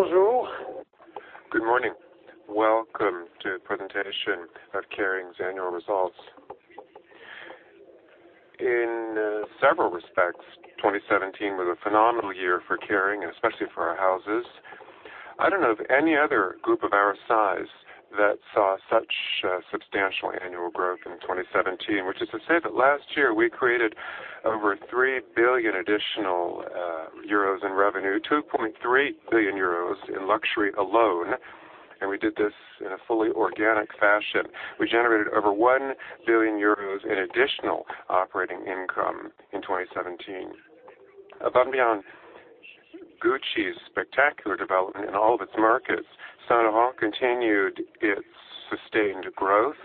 Bonjour. Good morning. Welcome to the presentation of Kering's annual results. In several respects, 2017 was a phenomenal year for Kering, and especially for our houses. I don't know of any other group of our size that saw such substantial annual growth in 2017, which is to say that last year we created over 3 billion additional EUR in revenue, 2.3 billion euros in luxury alone, and we did this in a fully organic fashion. We generated over 1 billion euros in additional operating income in 2017. Above and beyond Gucci's spectacular development in all of its markets, Saint Laurent continued its sustained growth.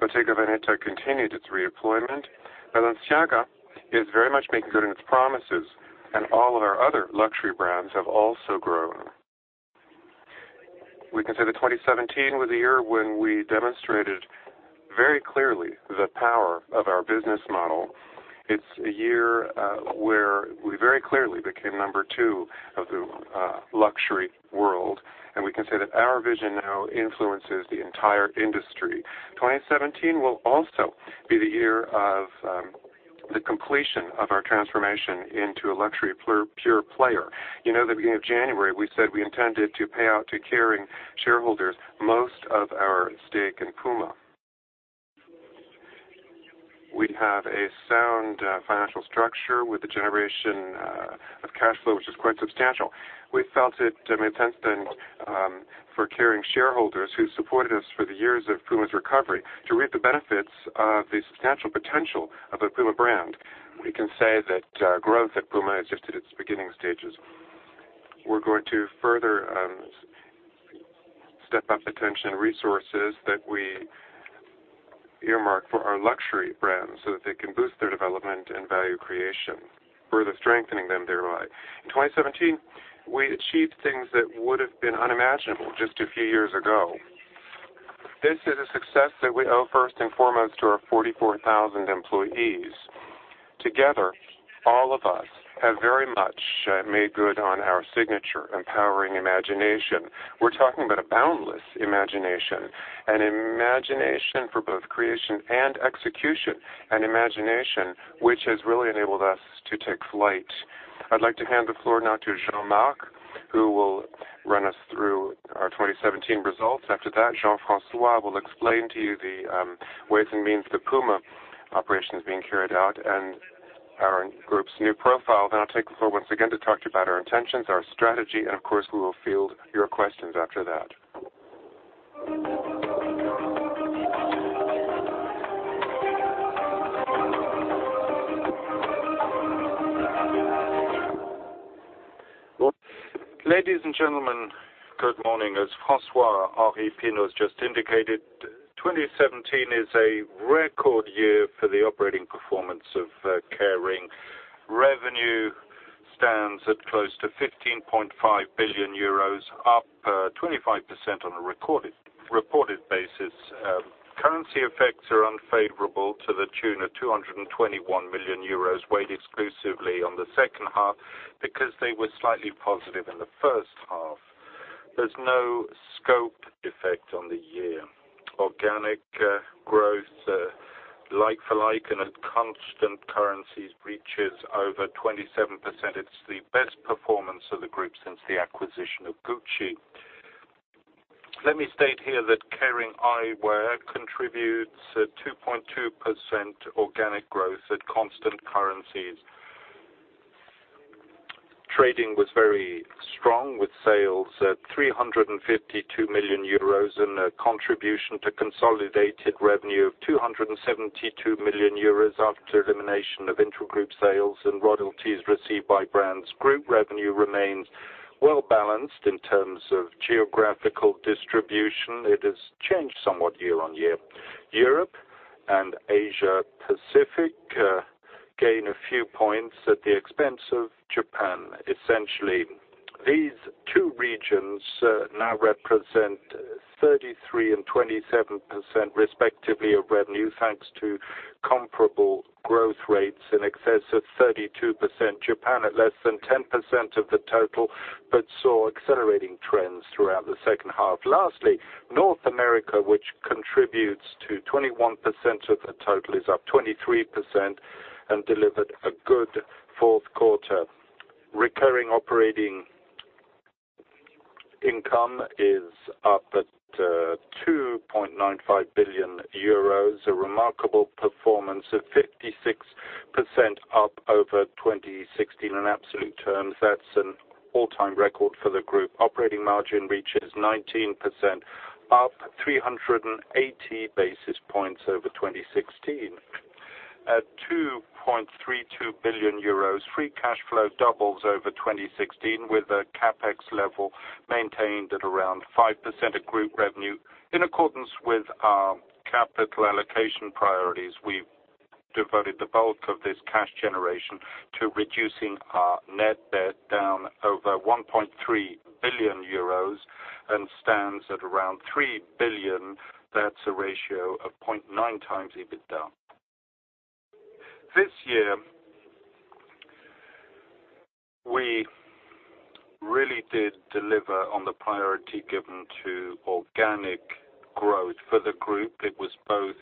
Bottega Veneta continued its redeployment. Balenciaga is very much making good on its promises, and all of our other luxury brands have also grown. We can say that 2017 was a year when we demonstrated very clearly the power of our business model. It's a year where we very clearly became number two of the luxury world. We can say that our vision now influences the entire industry. 2017 will also be the year of the completion of our transformation into a luxury pure player. You know, at the beginning of January, we said we intended to pay out to Kering shareholders most of our stake in Puma. We have a sound financial structure with the generation of cash flow, which is quite substantial. We felt it made sense then, for Kering shareholders who supported us for the years of Puma's recovery to reap the benefits of the substantial potential of the Puma brand. We can say that growth at Puma is just at its beginning stages. We're going to further step up attention resources that we earmark for our luxury brands so that they can boost their development and value creation, further strengthening them thereby. In 2017, we achieved things that would've been unimaginable just a few years ago. This is a success that we owe first and foremost to our 44,000 employees. Together, all of us have very much made good on our signature, empowering imagination. We're talking about a boundless imagination, an imagination for both creation and execution, an imagination which has really enabled us to take flight. I'd like to hand the floor now to Jean-Marc, who will run us through our 2017 results. After that, Jean-François will explain to you the ways and means the Puma operation is being carried out and our group's new profile. I'll take the floor once again to talk to you about our intentions, our strategy, and of course, we will field your questions after that. Ladies and gentlemen, good morning. As François-Henri Pinault just indicated, 2017 is a record year for the operating performance of Kering. Revenue stands at close to 15.5 billion euros, up 25% on a reported basis. Currency effects are unfavorable to the tune of 221 million euros, weighed exclusively on the second half because they were slightly positive in the first half. There is no scope effect on the year. Organic growth, like-for-like and at constant currencies, reaches over 27%. It is the best performance of the group since the acquisition of Gucci. Let me state here that Kering Eyewear contributes 2.2% organic growth at constant currencies. Trading was very strong with sales at 352 million euros in contribution to consolidated revenue of 272 million euros after elimination of intragroup sales and royalties received by brands. Group revenue remains well-balanced in terms of geographical distribution. It has changed somewhat year-over-year. Europe and Asia Pacific gain a few points at the expense of Japan. Essentially, these two regions now represent 33% and 27%, respectively, of revenue, thanks to comparable growth rates in excess of 32%. Japan at less than 10% of the total, but saw accelerating trends throughout the second half. Lastly, North America, which contributes to 21% of the total, is up 23% and delivered a good fourth quarter. Recurring operating income is up at 2.95 billion euros, a remarkable performance of 56% up over 2016. In absolute terms, that is an all-time record for the group. Operating margin reaches 19%, up 380 basis points over 2016. At 2.32 billion euros, free cash flow doubles over 2016, with a CapEx level maintained at around 5% of group revenue. In accordance with our capital allocation priorities, we have devoted the bulk of this cash generation to reducing our net debt down over 1.3 billion euros and stands at around 3 billion. That is a ratio of 0.9 times EBITDA. This year, we really did deliver on the priority given to organic growth. For the group, it was both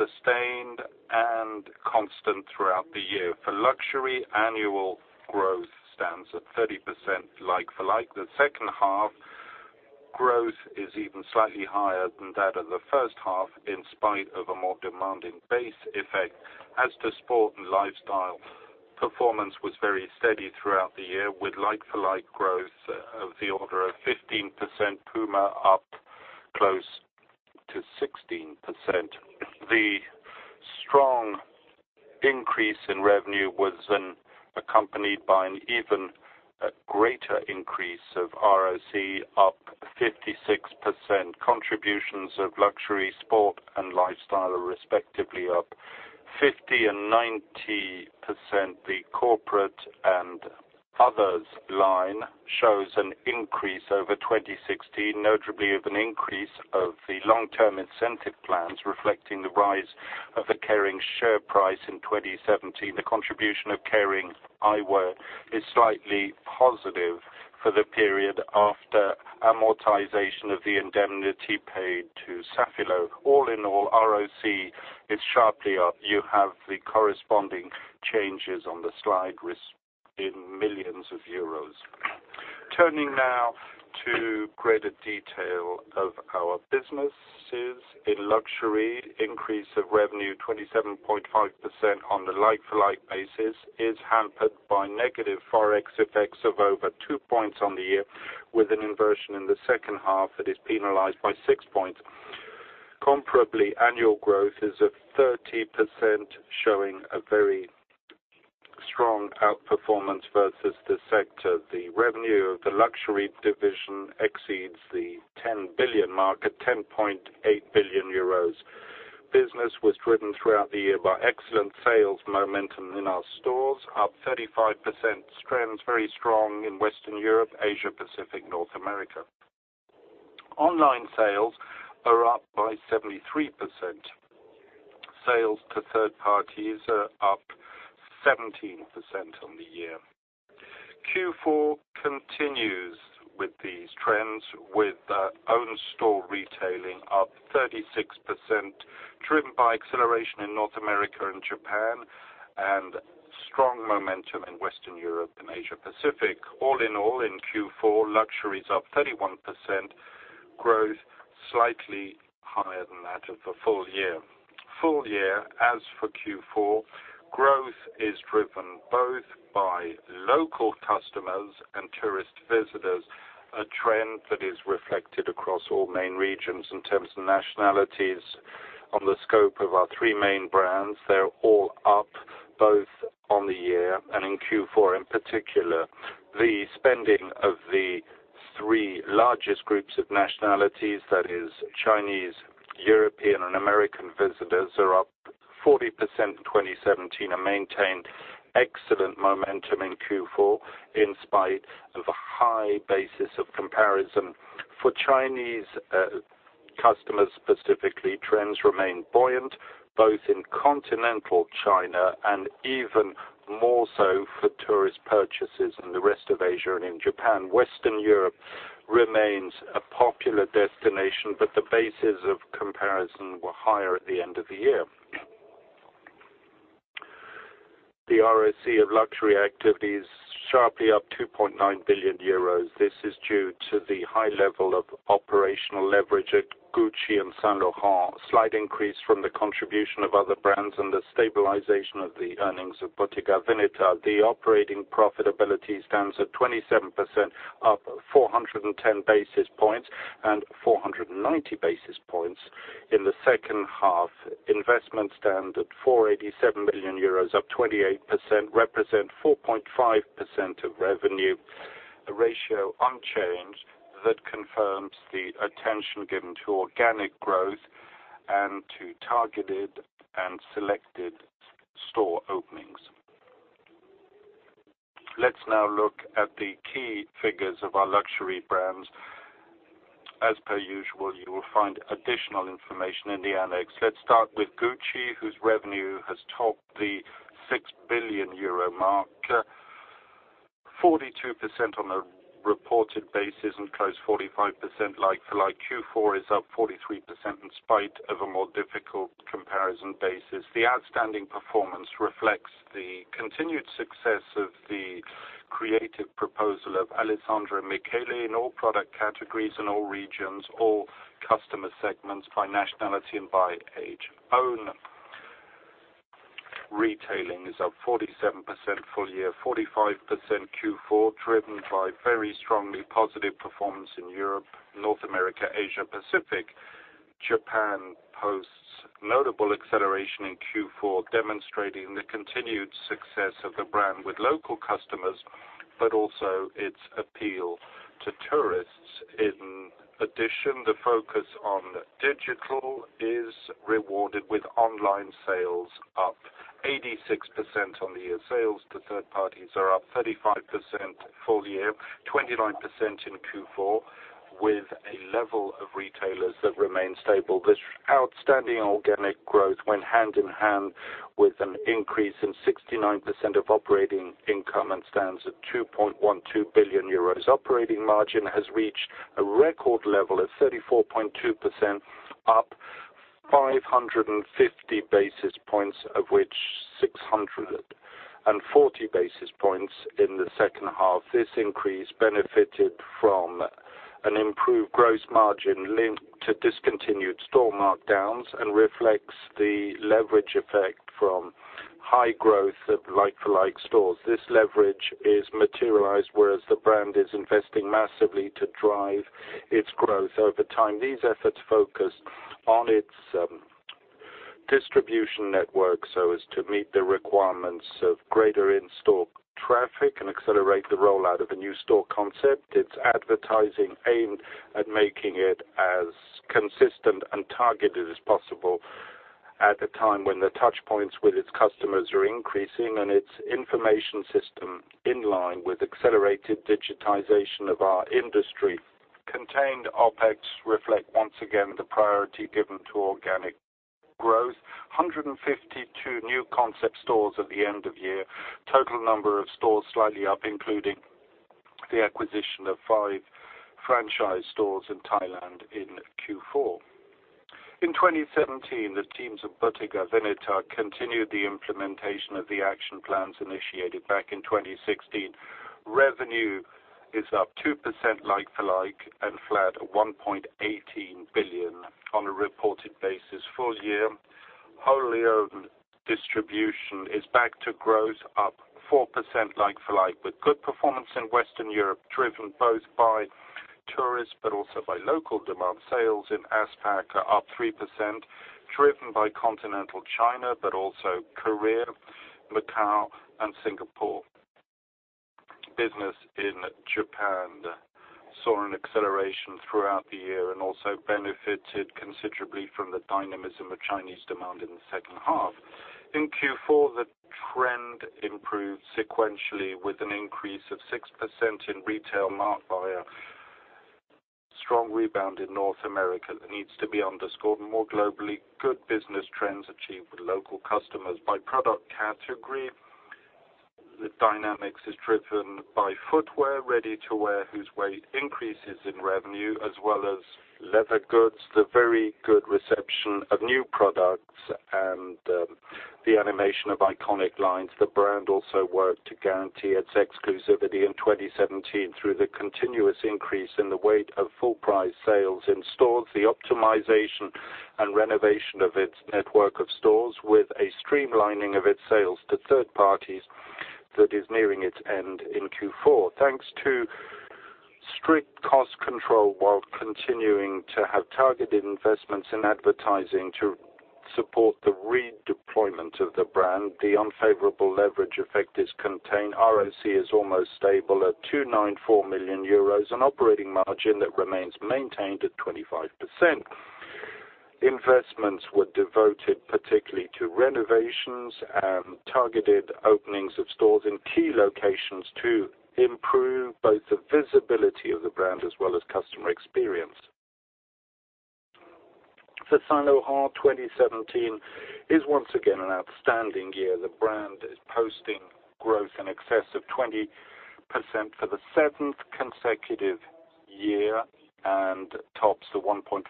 sustained and constant throughout the year. For luxury, annual growth stands at 30% like-for-like. The second half growth is even slightly higher than that of the first half, in spite of a more demanding base effect. As to sport and lifestyle, performance was very steady throughout the year, with like-for-like growth of the order of 15%, Puma up close to 16%. The strong increase in revenue was accompanied by an even greater increase of ROC, up 56%. Contributions of luxury, sport, and lifestyle are respectively up 50% and 90%. The corporate and others line shows an increase over 2016, notably of an increase of the long-term incentive plans, reflecting the rise of the Kering share price in 2017. The contribution of Kering Eyewear is slightly positive for the period after amortization of the indemnity paid to Safilo. All in all, ROC is sharply up. You have the corresponding changes on the slide in millions of EUR. Turning now to greater detail of our businesses. In luxury, increase of revenue 27.5% on the like-for-like basis is hampered by negative Forex effects of over 2 points on the year, with an inversion in the second half that is penalized by 6 points. Comparably, annual growth is of 30%, showing a very strong outperformance versus the sector. The revenue of the luxury division exceeds the 10 billion market, 10.8 billion euros. Business was driven throughout the year by excellent sales momentum in our stores, up 35%. Trends very strong in Western Europe, Asia-Pacific, North America. Online sales are up by 73%. Sales to third parties are up 17% on the year. Q4 continues with these trends, with our own store retailing up 36%, driven by acceleration in North America and Japan, and strong momentum in Western Europe and Asia-Pacific. All in all, in Q4, luxury is up 31%, growth slightly higher than that of the full year. Full year, as for Q4, growth is driven both by local customers and tourist visitors, a trend that is reflected across all main regions in terms of nationalities. On the scope of our three main brands, they are all up, both on the year and in Q4 in particular. The spending of the three largest groups of nationalities, that is Chinese, European, and American visitors, are up 40% in 2017 and maintained excellent momentum in Q4, in spite of a high basis of comparison. For Chinese customers specifically, trends remain buoyant, both in continental China and even more so for tourist purchases in the rest of Asia and in Japan. Western Europe remains a popular destination, but the bases of comparison were higher at the end of the year. The ROC of luxury activities sharply up 2.9 billion euros. This is due to the high level of operational leverage at Gucci and Saint Laurent. A slight increase from the contribution of other brands and the stabilization of the earnings of Bottega Veneta. The operating profitability stands at 27%, up 410 basis points, and 490 basis points in the second half. Investments stand at EUR 487 million, up 28%, represent 4.5% of revenue, a ratio unchanged that confirms the attention given to organic growth and to targeted and selected store openings. Let us now look at the key figures of our luxury brands. As per usual, you will find additional information in the annex. Let us start with Gucci, whose revenue has topped the 6 billion euro mark. 42% on a reported basis and close to 45% like-for-like. Q4 is up 43% in spite of a more difficult comparison basis. The outstanding performance reflects the continued success of the creative proposal of Alessandro Michele in all product categories, in all regions, all customer segments by nationality and by age. Own retailing is up 47% full year, 45% Q4, driven by very strongly positive performance in Europe, North America, Asia-Pacific. Japan posts notable acceleration in Q4, demonstrating the continued success of the brand with local customers, but also its appeal to tourists. In addition, the focus on digital is rewarded with online sales up 86% on the year. Sales to third parties are up 35% full year, 29% in Q4. With a level of retailers that remain stable. This outstanding organic growth went hand in hand with an increase in 69% of operating income and stands at 2.12 billion euros. Operating margin has reached a record level of 34.2% up 550 basis points, of which 640 basis points in the second half. This increase benefited from an improved gross margin linked to discontinued store markdowns and reflects the leverage effect from high growth of like-for-like stores. This leverage is materialized, whereas the brand is investing massively to drive its growth over time. These efforts focus on its distribution network, so as to meet the requirements of greater in-store traffic and accelerate the rollout of the new store concept. Its advertising aimed at making it as consistent and targeted as possible at a time when the touch points with its customers are increasing, and its information system in line with accelerated digitization of our industry. Contained OpEx reflect once again, the priority given to organic growth. 152 new concept stores at the end of year. Total number of stores slightly up, including the acquisition of five franchise stores in Thailand in Q4. In 2017, the teams of Bottega Veneta continued the implementation of the action plans initiated back in 2016. Revenue is up 2% like-for-like and flat at 1.18 billion on a reported basis. Full year, wholly owned distribution is back to growth, up 4% like-for-like. With good performance in Western Europe, driven both by tourists but also by local demand. Sales in APAC are up 3%, driven by continental China but also Korea, Macau and Singapore. Business in Japan saw an acceleration throughout the year and also benefited considerably from the dynamism of Chinese demand in the second half. In Q4, the trend improved sequentially with an increase of 6% in retail marked by a strong rebound in North America that needs to be underscored. More globally, good business trends achieved with local customers. By product category, the dynamics is driven by footwear, ready-to-wear, whose weight increases in revenue, as well as leather goods. The very good reception of new products and the animation of iconic lines. The brand also worked to guarantee its exclusivity in 2017 through the continuous increase in the weight of full price sales in stores, the optimization and renovation of its network of stores with a streamlining of its sales to third parties that is nearing its end in Q4. Thanks to strict cost control, while continuing to have targeted investments in advertising to support the redeployment of the brand, the unfavorable leverage effect is contained. ROC is almost stable at 294 million euros, an operating margin that remains maintained at 25%. Investments were devoted particularly to renovations and targeted openings of stores in key locations to improve both the visibility of the brand as well as customer experience. For Saint Laurent 2017, is once again an outstanding year. The brand is posting growth in excess of 20% for the seventh consecutive year and tops the 1.5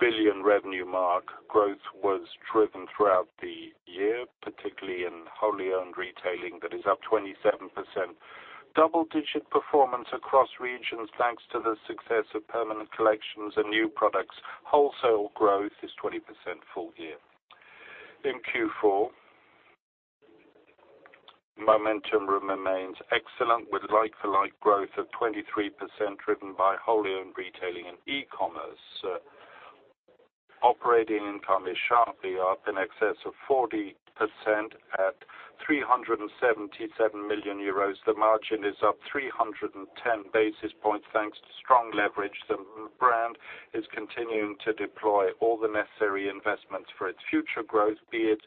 billion revenue mark. Growth was driven throughout the year, particularly in wholly owned retailing, that is up 27%. Double-digit performance across regions, thanks to the success of permanent collections and new products. Wholesale growth is 20% full year. In Q4, momentum remains excellent with like-for-like growth of 23%, driven by wholly owned retailing and e-commerce. Operating income is sharply up in excess of 40% at 377 million euros. The margin is up 310 basis points, thanks to strong leverage. The brand is continuing to deploy all the necessary investments for its future growth, be it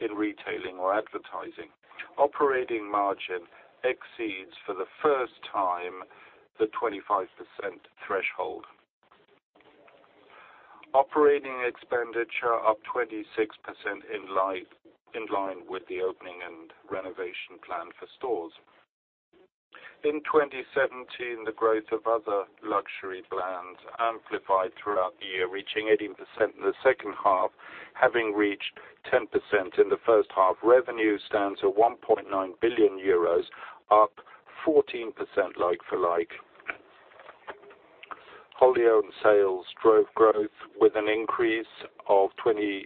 in retailing or advertising. Operating margin exceeds for the first time the 25% threshold. Operating expenditure up 26% in line with the opening and renovation plan for stores. In 2017, the growth of other luxury brands amplified throughout the year, reaching 18% in the second half, having reached 10% in the first half. Revenue stands at 1.9 billion euros, up 14% like-for-like. Wholly owned sales drove growth with an increase of 26%,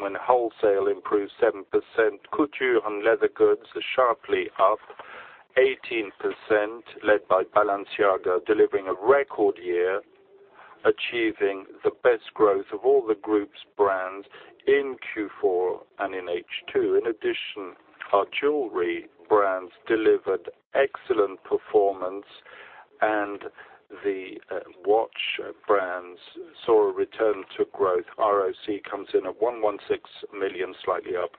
when wholesale improved 7%. Couture and leather goods are sharply up 18%, led by Balenciaga, delivering a record year, achieving the best growth of all the group's brands in Q4 and in H2. In addition, our jewelry brands delivered excellent performance, and the watch brands saw a return to growth. ROC comes in at 116 million, slightly up.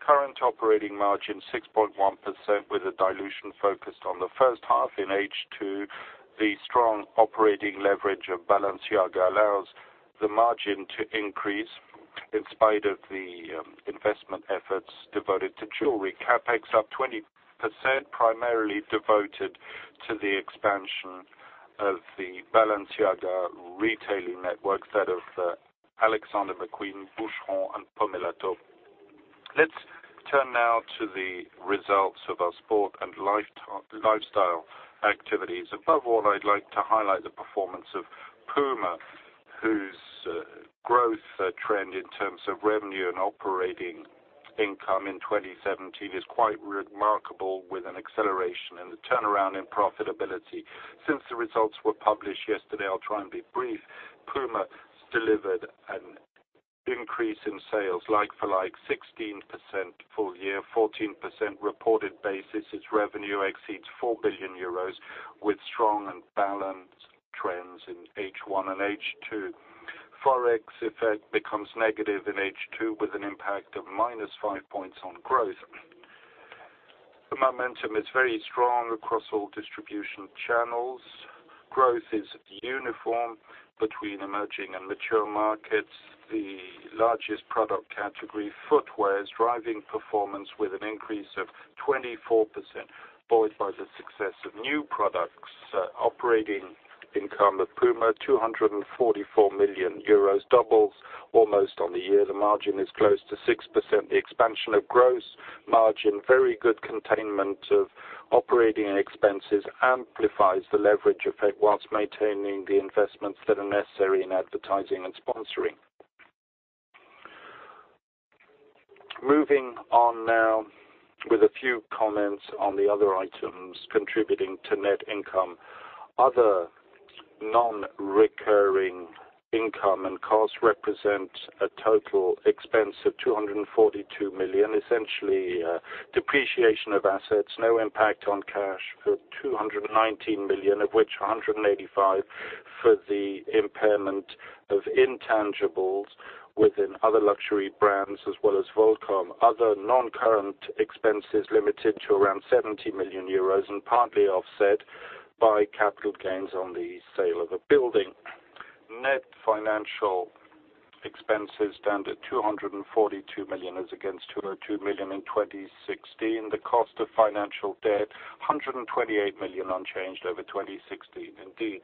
Current operating margin 6.1%, with a dilution focused on the first half in H2. The strong operating leverage of Balenciaga allows the margin to increase in spite of the investment efforts devoted to jewelry. CapEx up 20%, primarily devoted to the expansion of the Balenciaga retailing network, that of Alexander McQueen, Boucheron, and Pomellato. Let's turn now to the results of our sport and lifestyle activities. Above all, I'd like to highlight the performance of Puma, whose growth trend in terms of revenue and operating income in 2017 is quite remarkable with an acceleration and a turnaround in profitability. Since the results were published yesterday, I'll try and be brief. Puma delivered an increase in sales like-for-like 16% full year, 14% reported basis. Its revenue exceeds 4 billion euros with strong and balanced trends in H1 and H2. Forex effect becomes negative in H2 with an impact of minus five points on growth. The momentum is very strong across all distribution channels. Growth is uniform between emerging and mature markets. The largest product category, footwear, is driving performance with an increase of 24%, buoyed by the success of new products. Operating income of Puma, 244 million euros, doubles almost on the year. The margin is close to 6%. The expansion of gross margin, very good containment of operating expenses amplifies the leverage effect whilst maintaining the investments that are necessary in advertising and sponsoring. Moving on now with a few comments on the other items contributing to net income. Other non-recurring income and costs represent a total expense of 242 million, essentially depreciation of assets, no impact on cash for 219 million, of which 185 for the impairment of intangibles within other luxury brands as well as Volcom. Other non-current expenses limited to around 70 million euros and partly offset by capital gains on the sale of a building. Net financial expenses stand at 242 million as against 202 million in 2016. The cost of financial debt, 128 million unchanged over 2016. Indeed,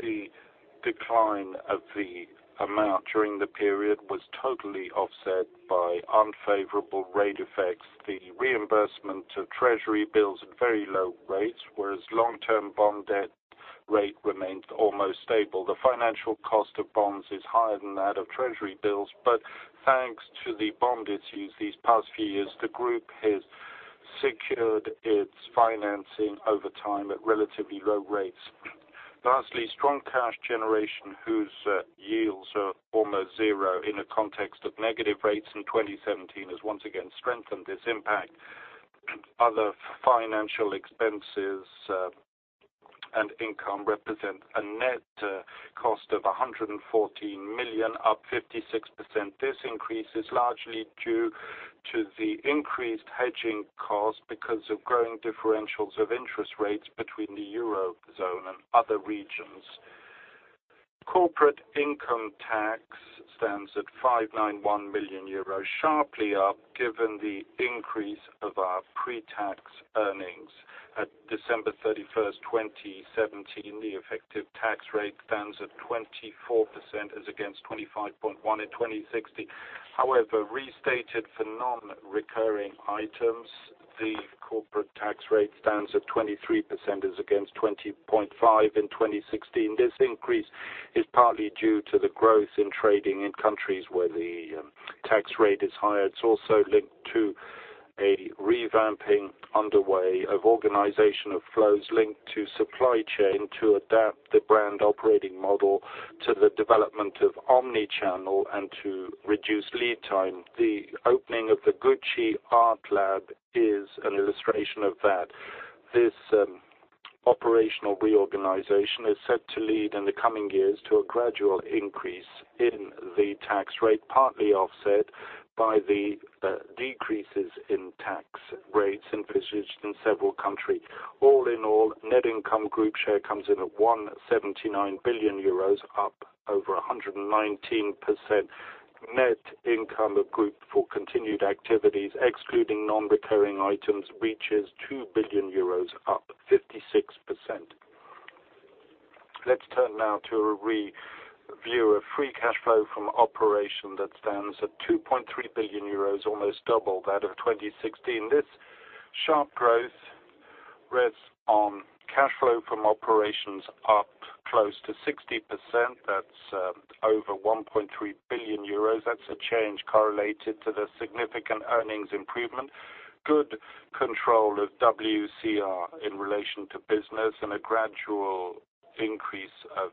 the decline of the amount during the period was totally offset by unfavorable rate effects. The reimbursement of treasury bills at very low rates, whereas long-term bond debt rate remained almost stable. The financial cost of bonds is higher than that of treasury bills, but thanks to the bond issues these past few years, the group has secured its financing over time at relatively low rates. Lastly, strong cash generation whose yields are almost zero in a context of negative rates in 2017 has once again strengthened this impact. Other financial expenses and income represent a net cost of 114 million, up 56%. This increase is largely due to the increased hedging cost because of growing differentials of interest rates between the Eurozone and other regions. Corporate income tax stands at 591 million euros, sharply up given the increase of our pre-tax earnings. At December 31st, 2017, the effective tax rate stands at 24% as against 25.1% in 2016. However, restated for non-recurring items, the corporate tax rate stands at 23% as against 20.5% in 2016. This increase is partly due to the growth in trading in countries where the tax rate is higher. It's also linked to a revamping underway of organization of flows linked to supply chain to adapt the brand operating model to the development of omni-channel and to reduce lead time. The opening of the Gucci ArtLab is an illustration of that. This operational reorganization is set to lead in the coming years to a gradual increase in the tax rate, partly offset by the decreases in tax rates in position in several countries. All in all, net income group share comes in at 1.79 billion euros, up over 119%. Net income of group for continued activities, excluding non-recurring items, reaches 2 billion euros, up 56%. Let's turn now to a review of free cash flow from operation that stands at 2.3 billion euros, almost double that of 2016. This sharp growth rests on cash flow from operations up close to 60%. That's over 1.3 billion euros. That's a change correlated to the significant earnings improvement, good control of WCR in relation to business, and a gradual increase of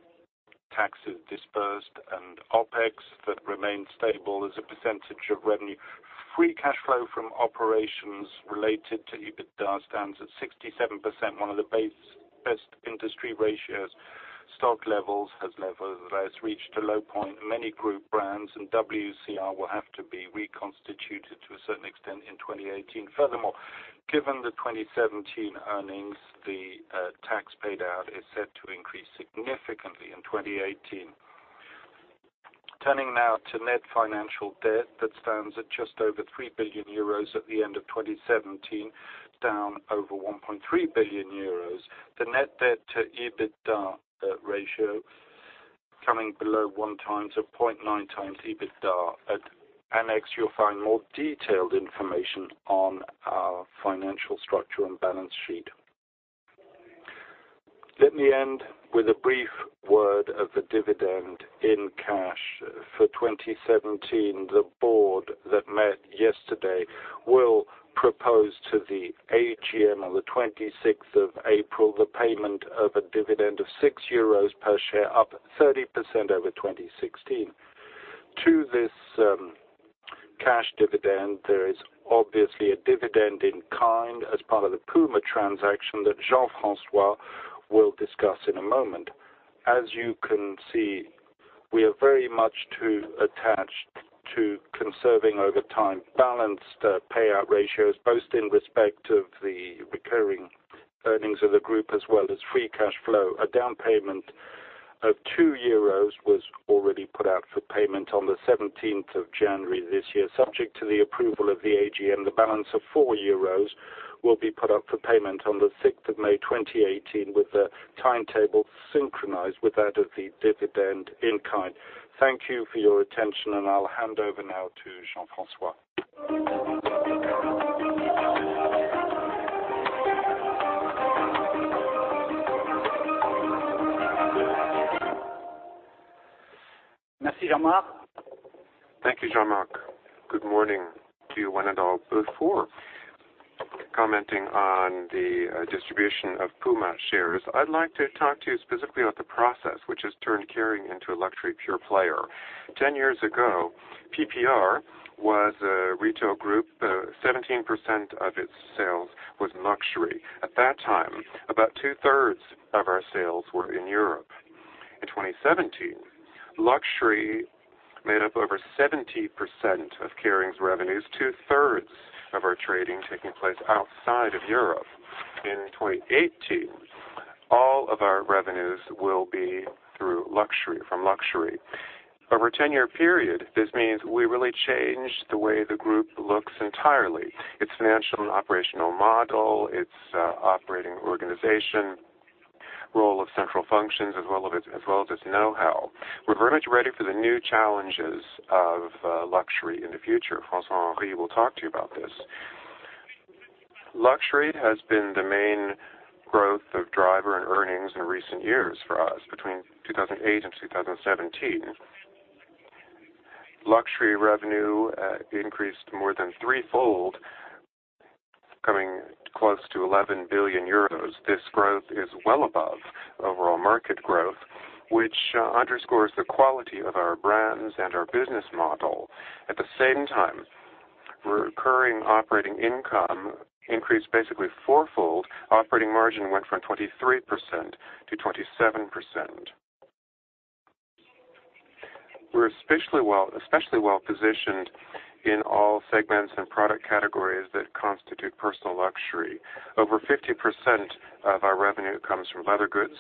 taxes dispersed, and OpEx that remained stable as a percentage of revenue. Free cash flow from operations related to EBITDA stands at 67%, one of the best industry ratios. Stock levels have level rise, reached a low point. Many group brands and WCR will have to be reconstituted to a certain extent in 2018. Furthermore, given the 2017 earnings, the tax paid out is set to increase significantly in 2018. Turning now to net financial debt, that stands at just over 3 billion euros at the end of 2017, down over 1.3 billion euros. The net debt to EBITDA ratio coming below 1 time, so 0.9 times EBITDA. At annex, you'll find more detailed information on our financial structure and balance sheet. Let me end with a brief word of the dividend in cash for 2017. The board that met yesterday will propose to the AGM on the 26th of April, the payment of a dividend of 6 euros per share, up 30% over 2016. To this cash dividend, there is obviously a dividend in kind as part of the Puma transaction that Jean-François will discuss in a moment. As you can see, we are very much too attached to conserving over time balanced payout ratios, both in respect of the recurring earnings of the group as well as free cash flow. A down payment of 2 euros was already put out for payment on the 17th of January this year. Subject to the approval of the AGM, the balance of 4 euros will be put up for payment on the 6th of May 2018, with the timetable synchronized with that of the dividend in kind. Thank you for your attention, and I'll hand over now to Jean-François. Merci, Jean-Marc. Thank you, Jean-Marc. Good morning to one and all. Before commenting on the distribution of Puma shares, I'd like to talk to you specifically about the process, which has turned Kering into a luxury pure player. 10 years ago, PPR was a retail group. 17% of its sales was luxury. At that time, about two-thirds of our sales were in Europe. In 2017, luxury made up over 70% of Kering's revenues, two-thirds of our trading taking place outside of Europe. In 2018, all of our revenues will be from luxury. Over a 10-year period, this means we really changed the way the group looks entirely. Its financial and operational model, its operating organization, role of central functions, as well as its know-how. We're very much ready for the new challenges of luxury in the future. François-Henri will talk to you about this. Luxury has been the main growth of driver and earnings in recent years for us. Between 2008 and 2017, luxury revenue increased more than threefold, coming close to 11 billion euros. This growth is well above overall market growth, which underscores the quality of our brands and our business model. At the same time, recurring operating income increased basically fourfold. Operating margin went from 23% to 27%. We're especially well-positioned in all segments and product categories that constitute personal luxury. Over 50% of our revenue comes from leather goods,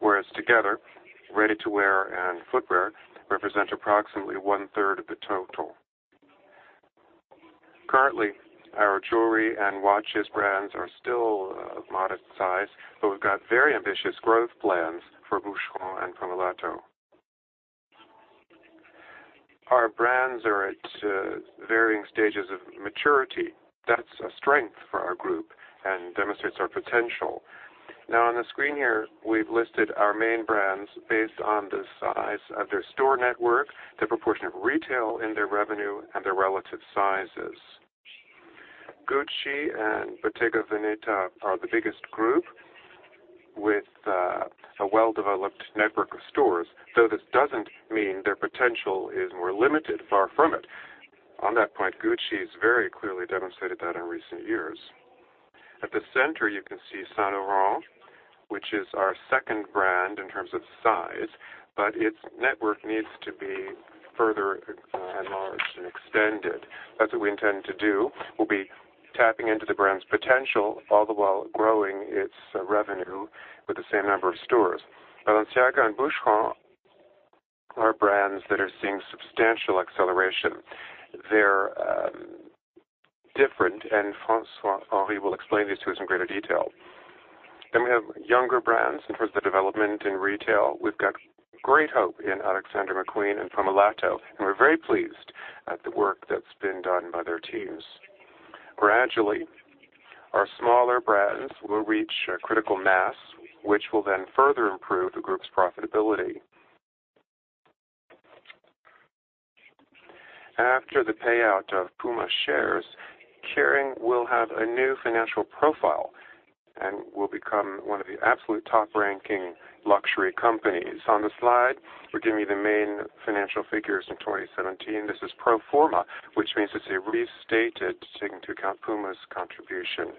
whereas together, ready-to-wear and footwear represent approximately one-third of the total. Currently, our jewelry and watches brands are still of modest size, but we've got very ambitious growth plans for Boucheron and Pomellato. Our brands are at varying stages of maturity. That's a strength for our group and demonstrates our potential. On the screen here, we've listed our main brands based on the size of their store network, the proportion of retail in their revenue, and their relative sizes. Gucci and Bottega Veneta are the biggest group with a well-developed network of stores, though this doesn't mean their potential is more limited. Far from it. On that point, Gucci has very clearly demonstrated that in recent years. At the center, you can see Saint Laurent, which is our second brand in terms of size, but its network needs to be further enlarged and extended. That's what we intend to do. We'll be tapping into the brand's potential, all the while growing its revenue with the same number of stores. Balenciaga and Boucheron are brands that are seeing substantial acceleration. They're different, and François-Henri will explain this to you in greater detail. We have younger brands. In terms of development in retail, we've got great hope in Alexander McQueen and Pomellato, and we're very pleased at the work that's been done by their teams. Gradually, our smaller brands will reach a critical mass, which will then further improve the group's profitability. After the payout of Puma shares, Kering will have a new financial profile and will become one of the absolute top-ranking luxury companies. On the slide, we're giving you the main financial figures in 2017. This is pro forma, which means it's a restated, taking into account Puma's contribution.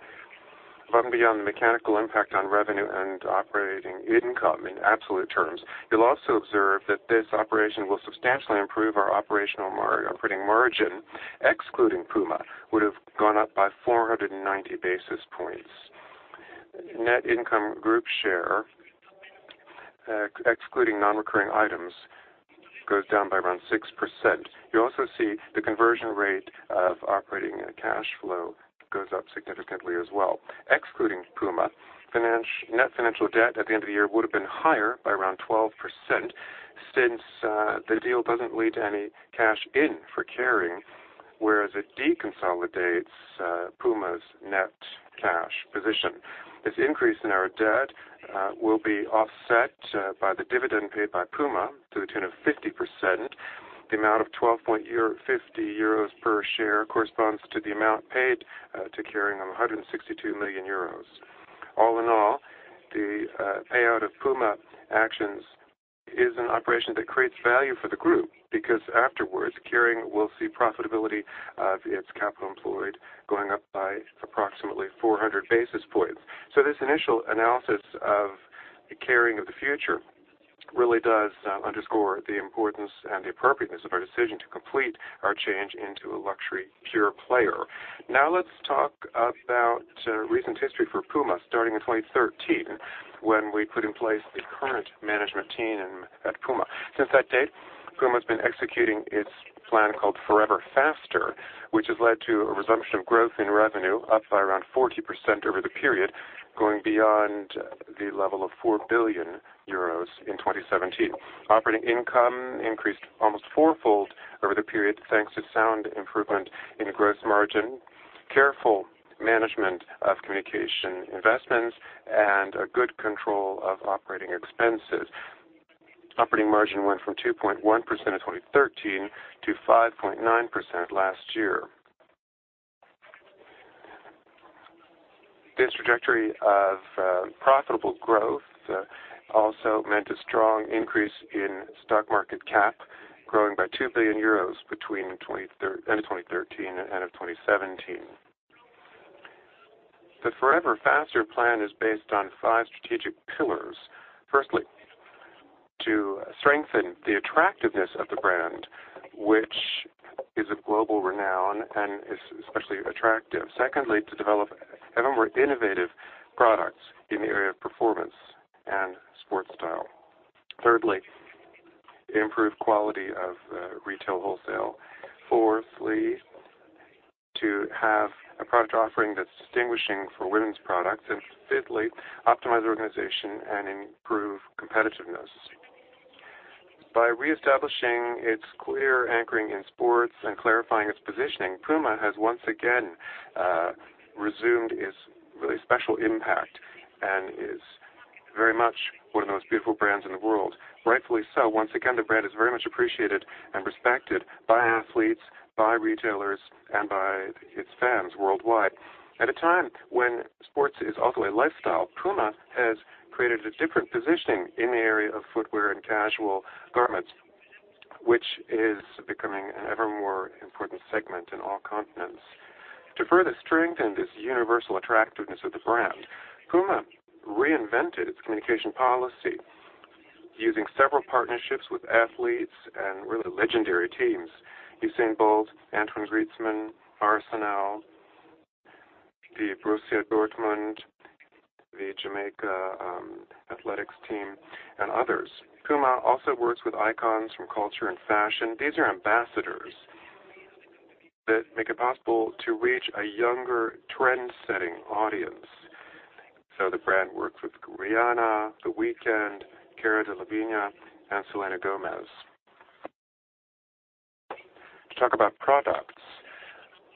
Above and beyond the mechanical impact on revenue and operating income in absolute terms, you'll also observe that this operation will substantially improve our operational operating margin, excluding Puma, would have gone up by 490 basis points. Net income group share, excluding non-recurring items, goes down by around 6%. You also see the conversion rate of operating cash flow goes up significantly as well. Excluding Puma, net financial debt at the end of the year would have been higher by around 12%, since the deal doesn't lead to any cash in for Kering, whereas it deconsolidates Puma's net cash position. This increase in our debt will be offset by the dividend paid by Puma to the tune of 50%. The amount of 12.50 euros per share corresponds to the amount paid to Kering of 162 million euros. All in all, the payout of Puma actions is an operation that creates value for the group because afterwards, Kering will see profitability of its capital employed going up by approximately 400 basis points. This initial analysis of Kering of the future really does underscore the importance and the appropriateness of our decision to complete our change into a luxury pure player. Let's talk about recent history for Puma, starting in 2013, when we put in place the current management team at Puma. Since that date, Puma has been executing its plan called Forever Faster, which has led to a resumption of growth in revenue, up by around 40% over the period, going beyond the level of 4 billion euros in 2017. Operating income increased almost four-fold over the period, thanks to sound improvement in gross margin, careful management of communication investments, and a good control of operating expenses. Operating margin went from 2.1% in 2013 to 5.9% last year. This trajectory of profitable growth also meant a strong increase in stock market cap, growing by 2 billion euros between end of 2013 and end of 2017. The Forever Faster plan is based on five strategic pillars. Firstly, to strengthen the attractiveness of the brand, which is of global renown and is especially attractive. Secondly, to develop ever more innovative products in the area of performance and sports style. Thirdly, improve quality of retail wholesale. Fourthly, to have a product offering that's distinguishing for women's products. Fifthly, optimize the organization and improve competitiveness. By reestablishing its clear anchoring in sports and clarifying its positioning, Puma has once again resumed its really special impact and is very much one of the most beautiful brands in the world. Rightfully so. Once again, the brand is very much appreciated and respected by athletes, by retailers, and by its fans worldwide. At a time when sports is also a lifestyle, Puma has created a different positioning in the area of footwear and casual garments, which is becoming an ever more important segment in all continents. To further strengthen this universal attractiveness of the brand, Puma reinvented its communication policy using several partnerships with athletes and really legendary teams. Usain Bolt, Antoine Griezmann, Arsenal, the Borussia Dortmund, the Jamaica athletics team, and others. Puma also works with icons from culture and fashion. These are ambassadors that make it possible to reach a younger trend-setting audience. The brand works with Rihanna, The Weeknd, Cara Delevingne, and Selena Gomez. To talk about products.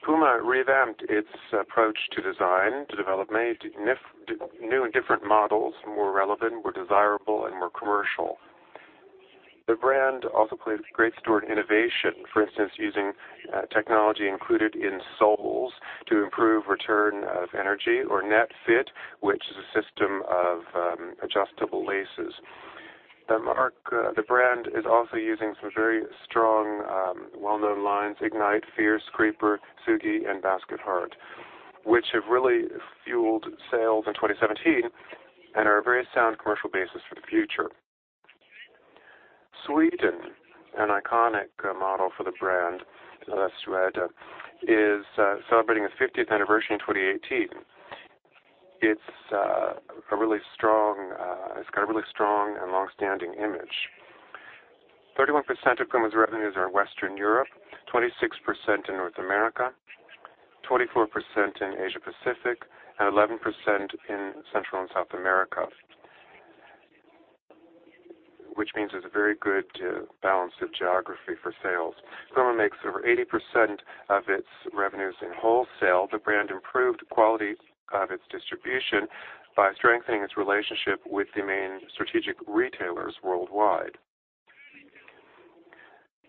Puma revamped its approach to design to develop new and different models, more relevant, more desirable, and more commercial. The brand also plays a great steward innovation, for instance, using technology included in soles to improve return of energy or NETFIT, which is a system of adjustable laces. The brand is also using some very strong, well-known lines, IGNITE, FIERCE, CREEPER, TSUGI, and BASKET HEART, which have really fueled sales in 2017 and are a very sound commercial basis for the future. SUEDE, an iconic model for the brand, is celebrating its 50th anniversary in 2018. It's got a really strong and long-standing image. 31% of Puma's revenues are in Western Europe, 26% in North America, 24% in Asia Pacific, and 11% in Central and South America, which means there's a very good balance of geography for sales. Puma makes over 80% of its revenues in wholesale. The brand improved quality of its distribution by strengthening its relationship with the main strategic retailers worldwide.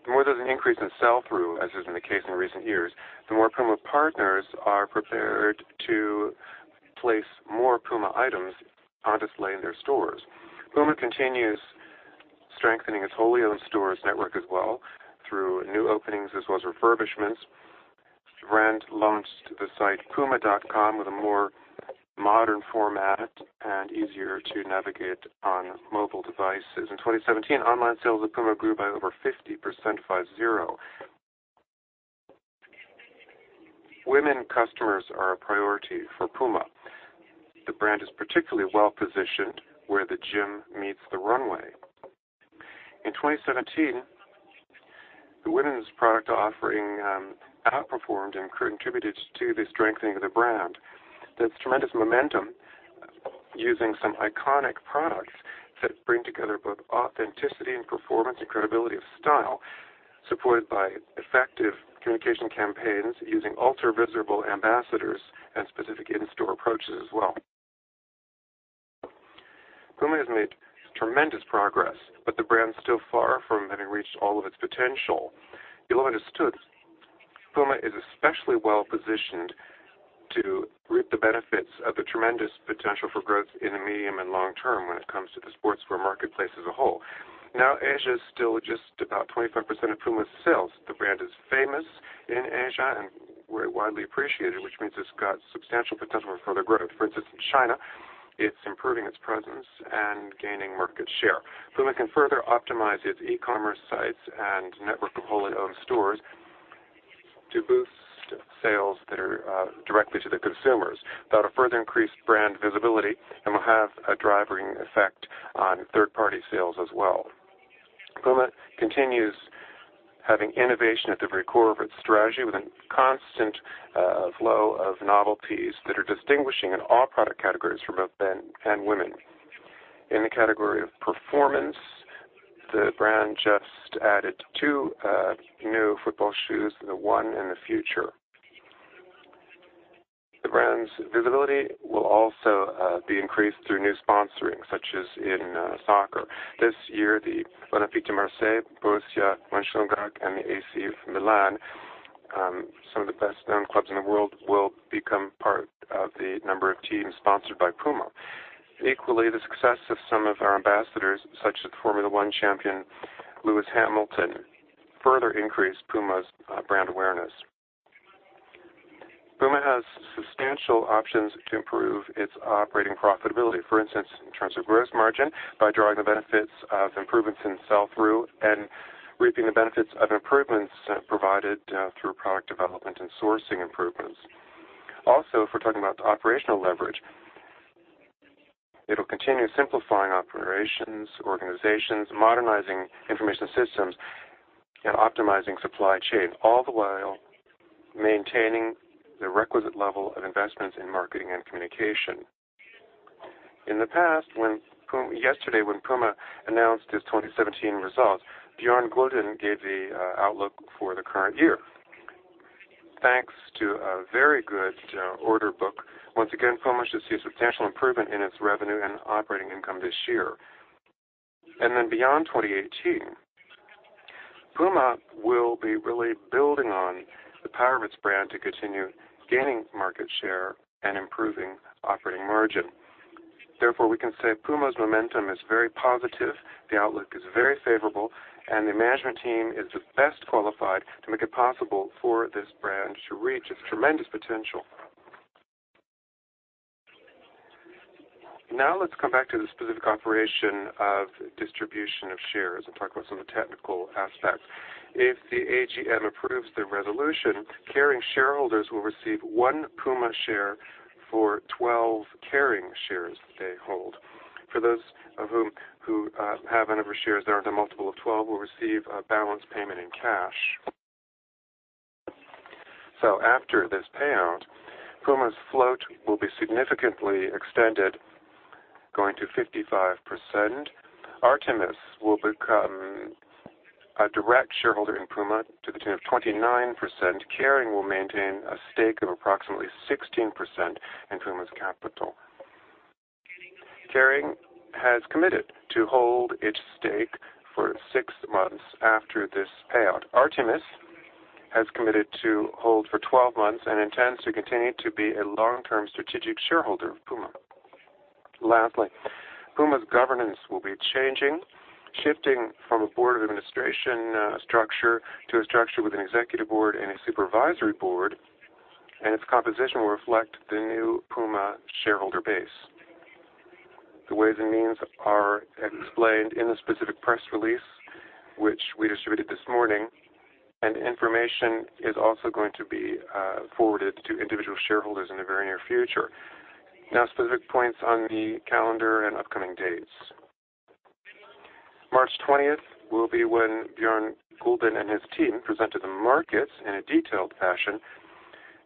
The more there's an increase in sell-through, as is in the case in recent years, the more Puma partners are prepared to place more Puma items on display in their stores. Puma continues strengthening its wholly owned stores network as well through new openings as well as refurbishments. The brand launched the site puma.com with a more modern format and easier to navigate on mobile devices. In 2017, online sales at Puma grew by over 50%. Women customers are a priority for Puma. The brand is particularly well-positioned where the gym meets the runway. In 2017, the women's product offering outperformed and contributed to the strengthening of the brand. There's tremendous momentum using some iconic products that bring together both authenticity and performance and credibility of style, supported by effective communication campaigns using ultra-visible ambassadors and specific in-store approaches as well. Puma has made tremendous progress, the brand's still far from having reached all of its potential. You'll have understood Puma is especially well-positioned to reap the benefits of the tremendous potential for growth in the medium and long term when it comes to the sportswear marketplace as a whole. Asia is still just about 25% of Puma's sales. The brand is famous in Asia and widely appreciated, which means it's got substantial potential for further growth. For instance, in China, it's improving its presence and gaining market share. Puma can further optimize its e-commerce sites and network of wholly owned stores to boost sales that are directly to the consumers. That'll further increase brand visibility and will have a driving effect on third-party sales as well. Puma continues having innovation at the very core of its strategy with a constant flow of novelties that are distinguishing in all product categories for both men and women. In the category of performance, the brand just added two new football shoes, the ONE and the Future. The brand's visibility will also be increased through new sponsoring, such as in soccer. This year, the Olympique de Marseille, Borussia Mönchengladbach, and the AC Milan, some of the best-known clubs in the world, will become part of the number of teams sponsored by Puma. Equally, the success of some of our ambassadors, such as Formula One champion Lewis Hamilton, further increased Puma's brand awareness. Puma has substantial options to improve its operating profitability. For instance, in terms of gross margin, by drawing the benefits of improvements in sell-through and reaping the benefits of improvements provided through product development and sourcing improvements. If we're talking about the operational leverage, it'll continue simplifying operations, organizations, modernizing information systems, and optimizing supply chain, all the while maintaining the requisite level of investments in marketing and communication. Yesterday, when Puma announced its 2017 results, Björn Gulden gave the outlook for the current year. Thanks to a very good order book, once again, Puma should see a substantial improvement in its revenue and operating income this year. Beyond 2018, Puma will be really building on the power of its brand to continue gaining market share and improving operating margin. We can say Puma's momentum is very positive, the outlook is very favorable, and the management team is best qualified to make it possible for this brand to reach its tremendous potential. Let's come back to the specific operation of distribution of shares and talk about some of the technical aspects. If the AGM approves the resolution, Kering shareholders will receive one Puma share for 12 Kering shares that they hold. For those who have a number of shares that aren't a multiple of 12, will receive a balance payment in cash. After this payout, Puma's float will be significantly extended, going to 55%. Artémis will become a direct shareholder in Puma to the tune of 29%. Kering will maintain a stake of approximately 16% in Puma's capital. Kering has committed to hold its stake for six months after this payout. Artémis has committed to hold for 12 months and intends to continue to be a long-term strategic shareholder of Puma. Puma's governance will be changing, shifting from a board of administration structure to a structure with an executive board and a supervisory board, and its composition will reflect the new Puma shareholder base. The ways and means are explained in the specific press release, which we distributed this morning. Information is also going to be forwarded to individual shareholders in the very near future. Specific points on the calendar and upcoming dates. March 20th will be when Björn Gulden and his team present to the markets in a detailed fashion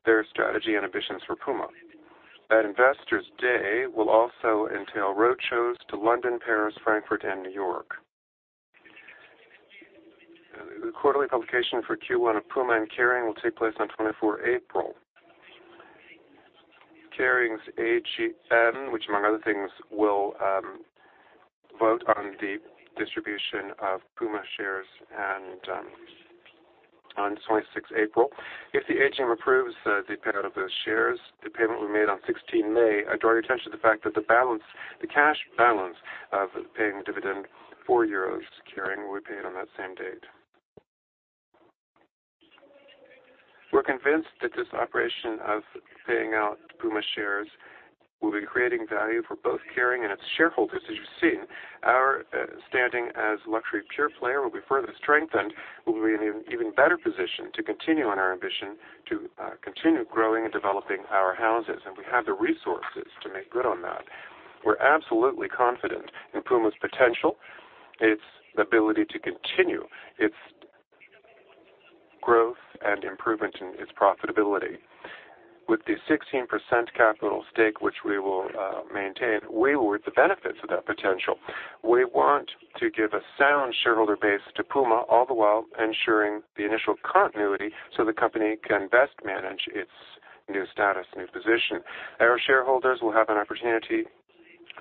their strategy and ambitions for Puma. That investors' day will also entail roadshows to London, Paris, Frankfurt, and New York. The quarterly publication for Q1 of Puma and Kering will take place on 24 April. Kering's AGM, which, among other things, will vote on the distribution of on 26 April, if the AGM approves the payout of those shares, the payment will be made on 16 May. I draw your attention to the fact that the cash balance of paying the dividend, 4 euros Kering will be paid on that same date. We're convinced that this operation of paying out Puma shares will be creating value for both Kering and its shareholders. As you see, our standing as luxury pure player will be further strengthened. We'll be in an even better position to continue on our ambition to continue growing and developing our houses, and we have the resources to make good on that. We're absolutely confident in Puma's potential, its ability to continue its growth and improvement in its profitability. With the 16% capital stake, which we will maintain, we will reap the benefits of that potential. We want to give a sound shareholder base to Puma, all the while ensuring the initial continuity so the company can best manage its new status, new position. Our shareholders will have an opportunity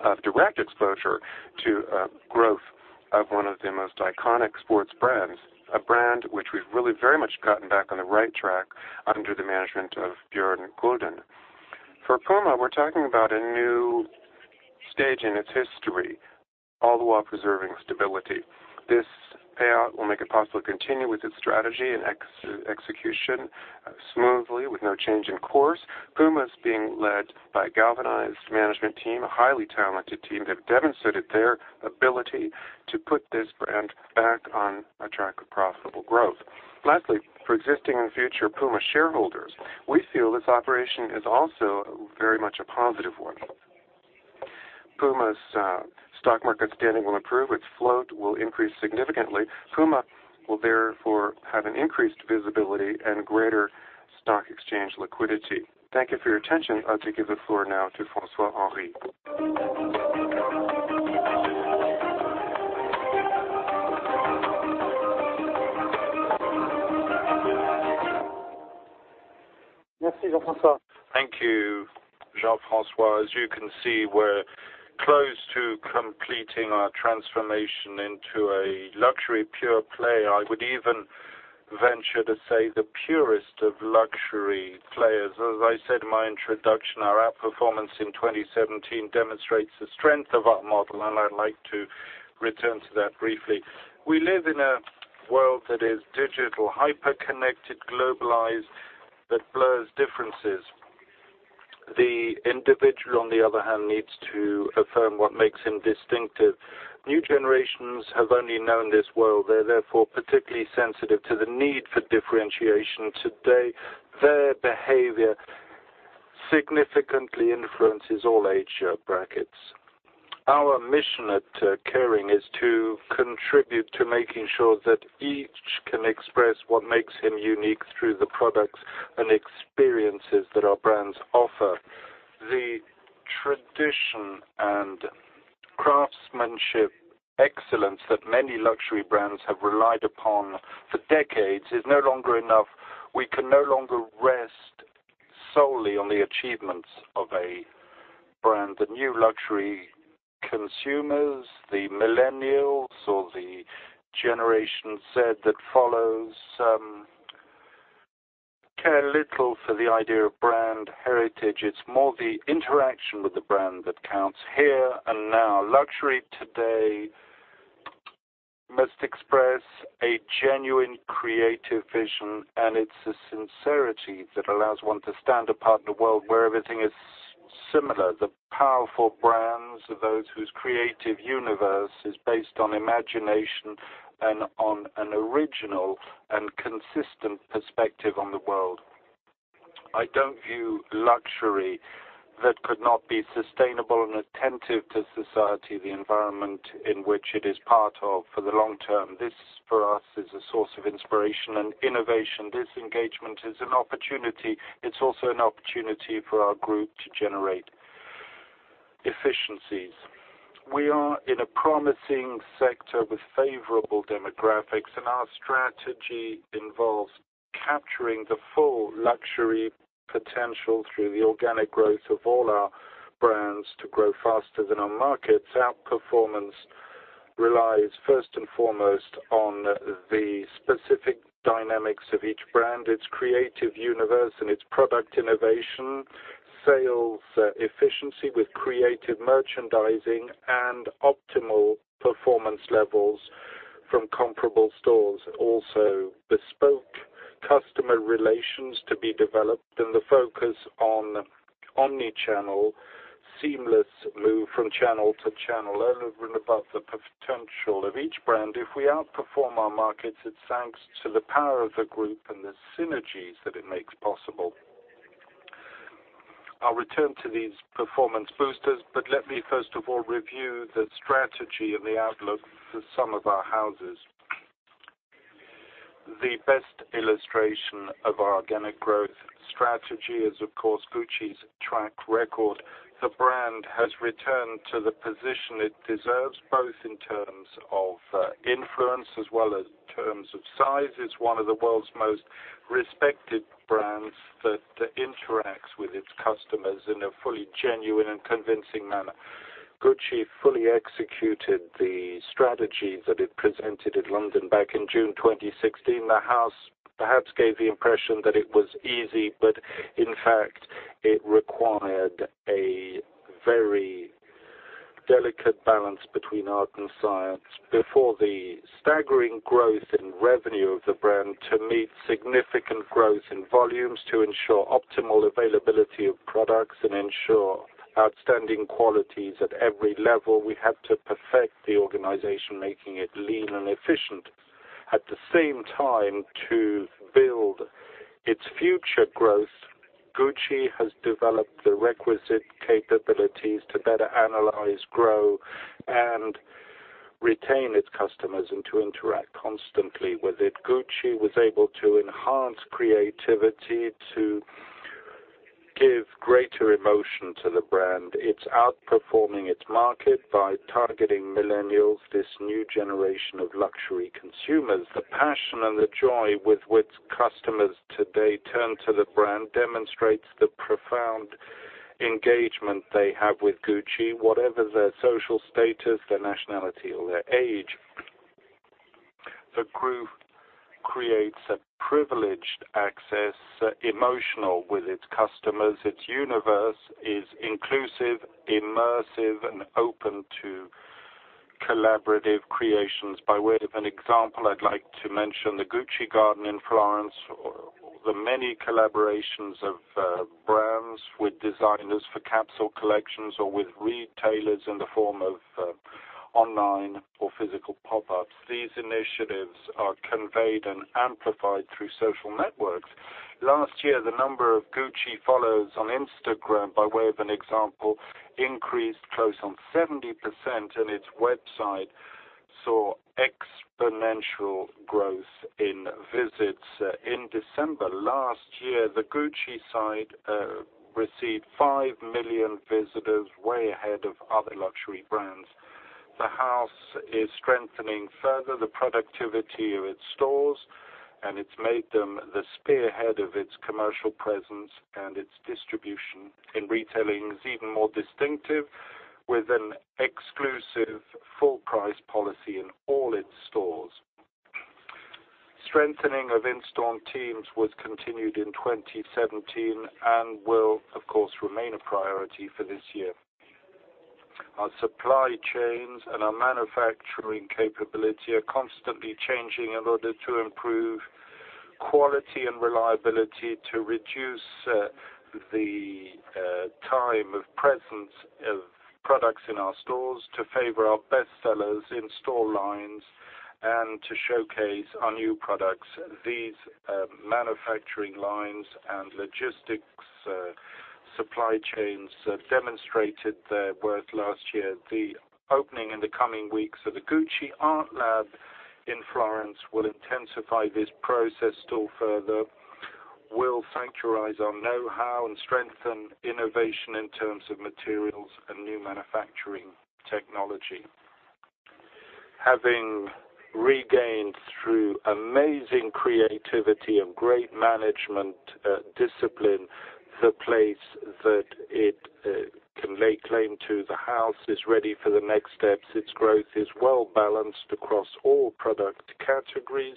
of direct exposure to growth of one of the most iconic sports brands, a brand which we've really very much gotten back on the right track under the management of Björn Gulden. For Puma, we're talking about a new stage in its history, all the while preserving stability. This payout will make it possible to continue with its strategy and execution smoothly with no change in course. Puma is being led by a galvanized management team, a highly talented team that demonstrated their ability to put this brand back on a track of profitable growth. Lastly, for existing and future Puma shareholders, we feel this operation is also very much a positive one. Puma's stock market standing will improve. Its float will increase significantly. Puma will therefore have an increased visibility and greater stock exchange liquidity. Thank you for your attention. I'll give the floor now to François-Henri. Thank you, Jean-François. As you can see, we're close to completing our transformation into a luxury pure player. I would even venture to say the purest of luxury players. As I said in my introduction, our outperformance in 2017 demonstrates the strength of our model, and I'd like to return to that briefly. We live in a world that is digital, hyper-connected, globalized, that blurs differences. The individual, on the other hand, needs to affirm what makes him distinctive. New generations have only known this world. They're therefore particularly sensitive to the need for differentiation. Today, their behavior significantly influences all age brackets. Our mission at Kering is to contribute to making sure that each can express what makes him unique through the products and experiences that our brands offer. The tradition and craftsmanship excellence that many luxury brands have relied upon for decades is no longer enough. We can no longer rest solely on the achievements of a brand. The new luxury consumers, the millennials, or the Generation Z that follows, care little for the idea of brand heritage. It's more the interaction with the brand that counts here and now. Luxury today must express a genuine creative vision, and it's the sincerity that allows one to stand apart in a world where everything is similar. The powerful brands are those whose creative universe is based on imagination and on an original and consistent perspective on the world. I don't view luxury that could not be sustainable and attentive to society, the environment in which it is part of for the long term. This, for us, is a source of inspiration and innovation. This engagement is an opportunity. It's also an opportunity for our group to generate efficiencies. We are in a promising sector with favorable demographics. Our strategy involves capturing the full luxury potential through the organic growth of all our brands to grow faster than our markets. Outperformance relies first and foremost on the specific dynamics of each brand, its creative universe, and its product innovation, sales efficiency with creative merchandising, and optimal performance levels from comparable stores. Bespoke customer relations to be developed and the focus on omni-channel, seamless move from channel to channel. Other than above the potential of each brand, if we outperform our markets, it's thanks to the power of the group and the synergies that it makes possible. I'll return to these performance boosters. Let me first of all review the strategy and the outlook for some of our houses. The best illustration of our organic growth strategy is, of course, Gucci's track record. The brand has returned to the position it deserves, both in terms of influence as well as terms of size. It's one of the world's most respected brands that interacts with its customers in a fully genuine and convincing manner. Gucci fully executed the strategy that it presented in London back in June 2016. The house perhaps gave the impression that it was easy. In fact, it required a very delicate balance between art and science. Before the staggering growth in revenue of the brand to meet significant growth in volumes, to ensure optimal availability of products, and ensure outstanding qualities at every level, we had to perfect the organization, making it lean and efficient. At the same time, to build its future growth, Gucci has developed the requisite capabilities to better analyze, grow, and retain its customers, and to interact constantly with it. Gucci was able to enhance creativity to give greater emotion to the brand. It's outperforming its market by targeting millennials, this new generation of luxury consumers. The passion and the joy with which customers today turn to the brand demonstrates the profound engagement they have with Gucci, whatever their social status, their nationality, or their age. The group creates a privileged access, emotional with its customers. Its universe is inclusive, immersive, and open to collaborative creations. By way of an example, I'd like to mention the Gucci Garden in Florence, or the many collaborations of brands with designers for capsule collections or with retailers in the form of online or physical pop-ups. These initiatives are conveyed and amplified through social networks. Last year, the number of Gucci follows on Instagram, by way of an example, increased close on 70%, and its website saw exponential growth in visits. In December last year, the Gucci site received 5 million visitors, way ahead of other luxury brands. The house is strengthening further the productivity of its stores. It's made them the spearhead of its commercial presence and its distribution in retailing is even more distinctive, with an exclusive full-price policy in all its stores. Strengthening of in-store teams was continued in 2017 and will, of course, remain a priority for this year. Our supply chains and our manufacturing capability are constantly changing in order to improve quality and reliability, to reduce the time of presence of products in our stores, to favor our bestsellers in-store lines, and to showcase our new products. These manufacturing lines and logistics supply chains demonstrated their worth last year. The opening in the coming weeks of the Gucci ArtLab in Florence will intensify this process still further. We'll sanctuarize our know-how and strengthen innovation in terms of materials and new manufacturing technology. Having regained through amazing creativity and great management discipline, the place that it can lay claim to, the house is ready for the next steps. Its growth is well-balanced across all product categories.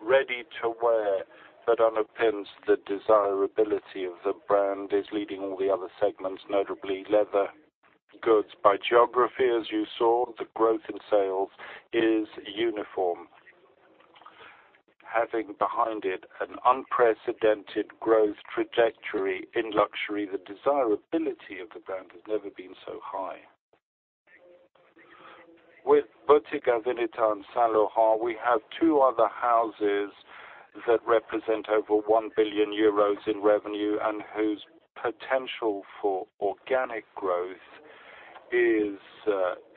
Ready-to-wear, that underpins the desirability of the brand, is leading all the other segments, notably leather goods. By geography, as you saw, the growth in sales is uniform. Having behind it an unprecedented growth trajectory in luxury, the desirability of the brand has never been so high. With Bottega Veneta and Saint Laurent, we have two other houses that represent over 1 billion euros in revenue and whose potential for organic growth is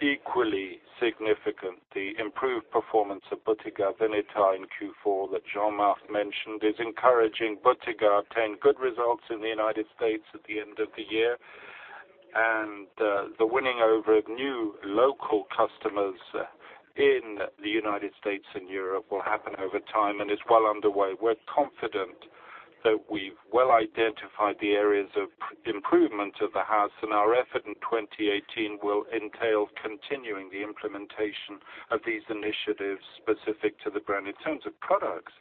equally significant. The improved performance of Bottega Veneta in Q4 that Jean-Marc mentioned is encouraging. Bottega obtained good results in the U.S. at the end of the year. The winning over of new local customers in the U.S. and Europe will happen over time and is well underway. We're confident that we've well identified the areas of improvement of the house. Our effort in 2018 will entail continuing the implementation of these initiatives specific to the brand. In terms of products,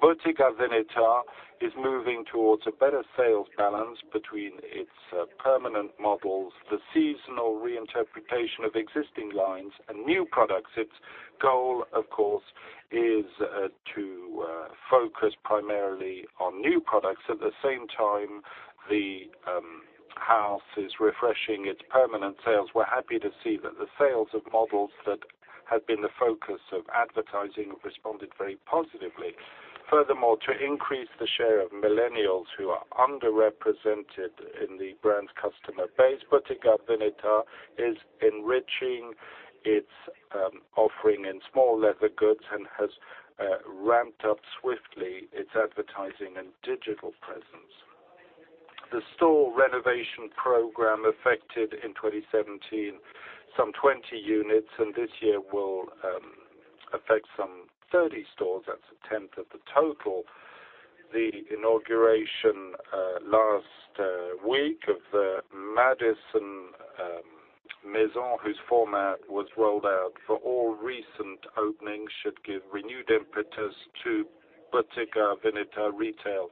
Bottega Veneta is moving towards a better sales balance between its permanent models, the seasonal reinterpretation of existing lines, and new products. Its goal, of course, is to focus primarily on new products. At the same time, the house is refreshing its permanent sales. We're happy to see that the sales of models that have been the focus of advertising have responded very positively. Furthermore, to increase the share of millennials who are underrepresented in the brand's customer base, Bottega Veneta is enriching its offering in small leather goods and has ramped up swiftly its advertising and digital presence. The store renovation program affected in 2017 some 20 units. This year will affect some 30 stores, that's a tenth of the total. The inauguration last week of the Madison Maison, whose format was rolled out for all recent openings, should give renewed impetus to Bottega Veneta retail.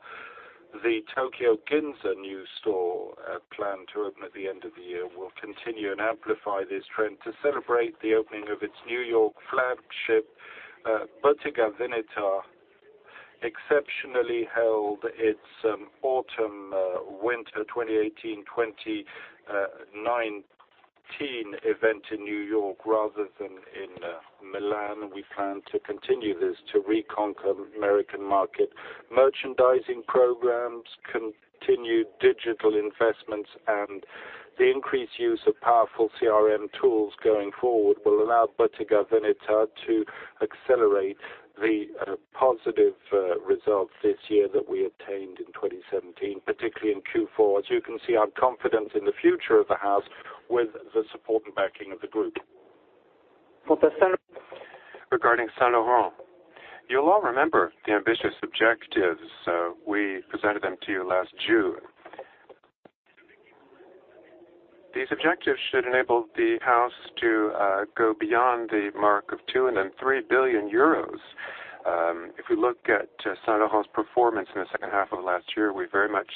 The Tokyo Ginza new store, planned to open at the end of the year, will continue and amplify this trend. To celebrate the opening of its New York flagship, Bottega Veneta exceptionally held its autumn/winter 2018/2019 event in New York rather than in Milan. We plan to continue this to reconquer the American market. Merchandising programs, continued digital investments, and the increased use of powerful CRM tools going forward will allow Bottega Veneta to accelerate the positive results this year that we attained in 2017, particularly in Q4. As you can see, I'm confident in the future of the house with the support and backing of the group. Regarding Saint Laurent, you'll all remember the ambitious objectives. We presented them to you last June. These objectives should enable the house to go beyond the mark of two and then three billion EUR. If we look at Saint Laurent's performance in the second half of last year, we very much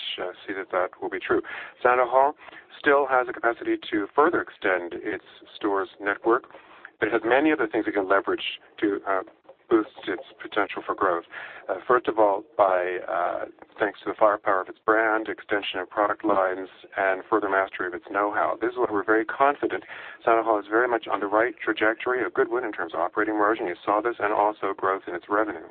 see that that will be true. Saint Laurent still has the capacity to further extend its stores network. It has many other things it can leverage to boost its potential for growth. First of all, thanks to the firepower of its brand, extension of product lines, and further mastery of its know-how. This is why we're very confident Saint Laurent is very much on the right trajectory, a good win in terms of operating margin, you saw this, and also growth in its revenue.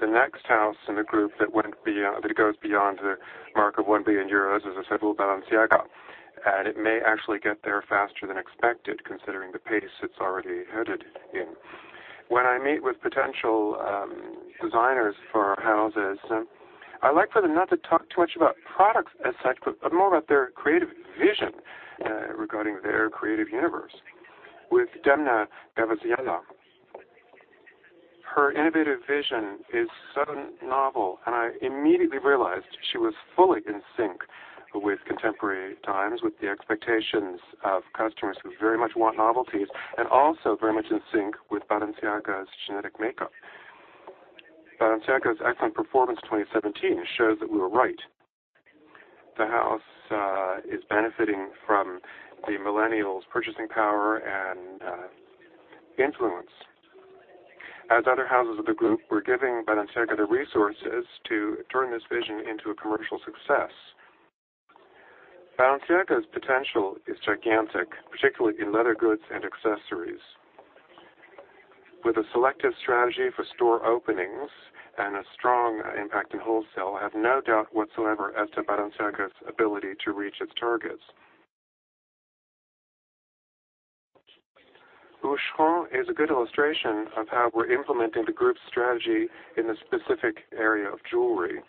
The next house in the group that goes beyond the mark of one billion EUR, as I said, will be Balenciaga. It may actually get there faster than expected, considering the pace it's already headed in. When I meet with potential designers for our houses, I like for them not to talk too much about products as such, but more about their creative vision regarding their creative universe. With Demna Gvasalia, her innovative vision is so novel, and I immediately realized she was fully in sync with contemporary times, with the expectations of customers who very much want novelties, and also very much in sync with Balenciaga's genetic makeup. Balenciaga's excellent performance in 2017 shows that we were right. The house is benefiting from the millennials' purchasing power and influence. As other houses of the group, we're giving Balenciaga the resources to turn this vision into a commercial success. Balenciaga's potential is gigantic, particularly in leather goods and accessories. With a selective strategy for store openings and a strong impact in wholesale, I have no doubt whatsoever as to Balenciaga's ability to reach its targets. Boucheron is a good illustration of how we're implementing the group's strategy in the specific area of jewelry.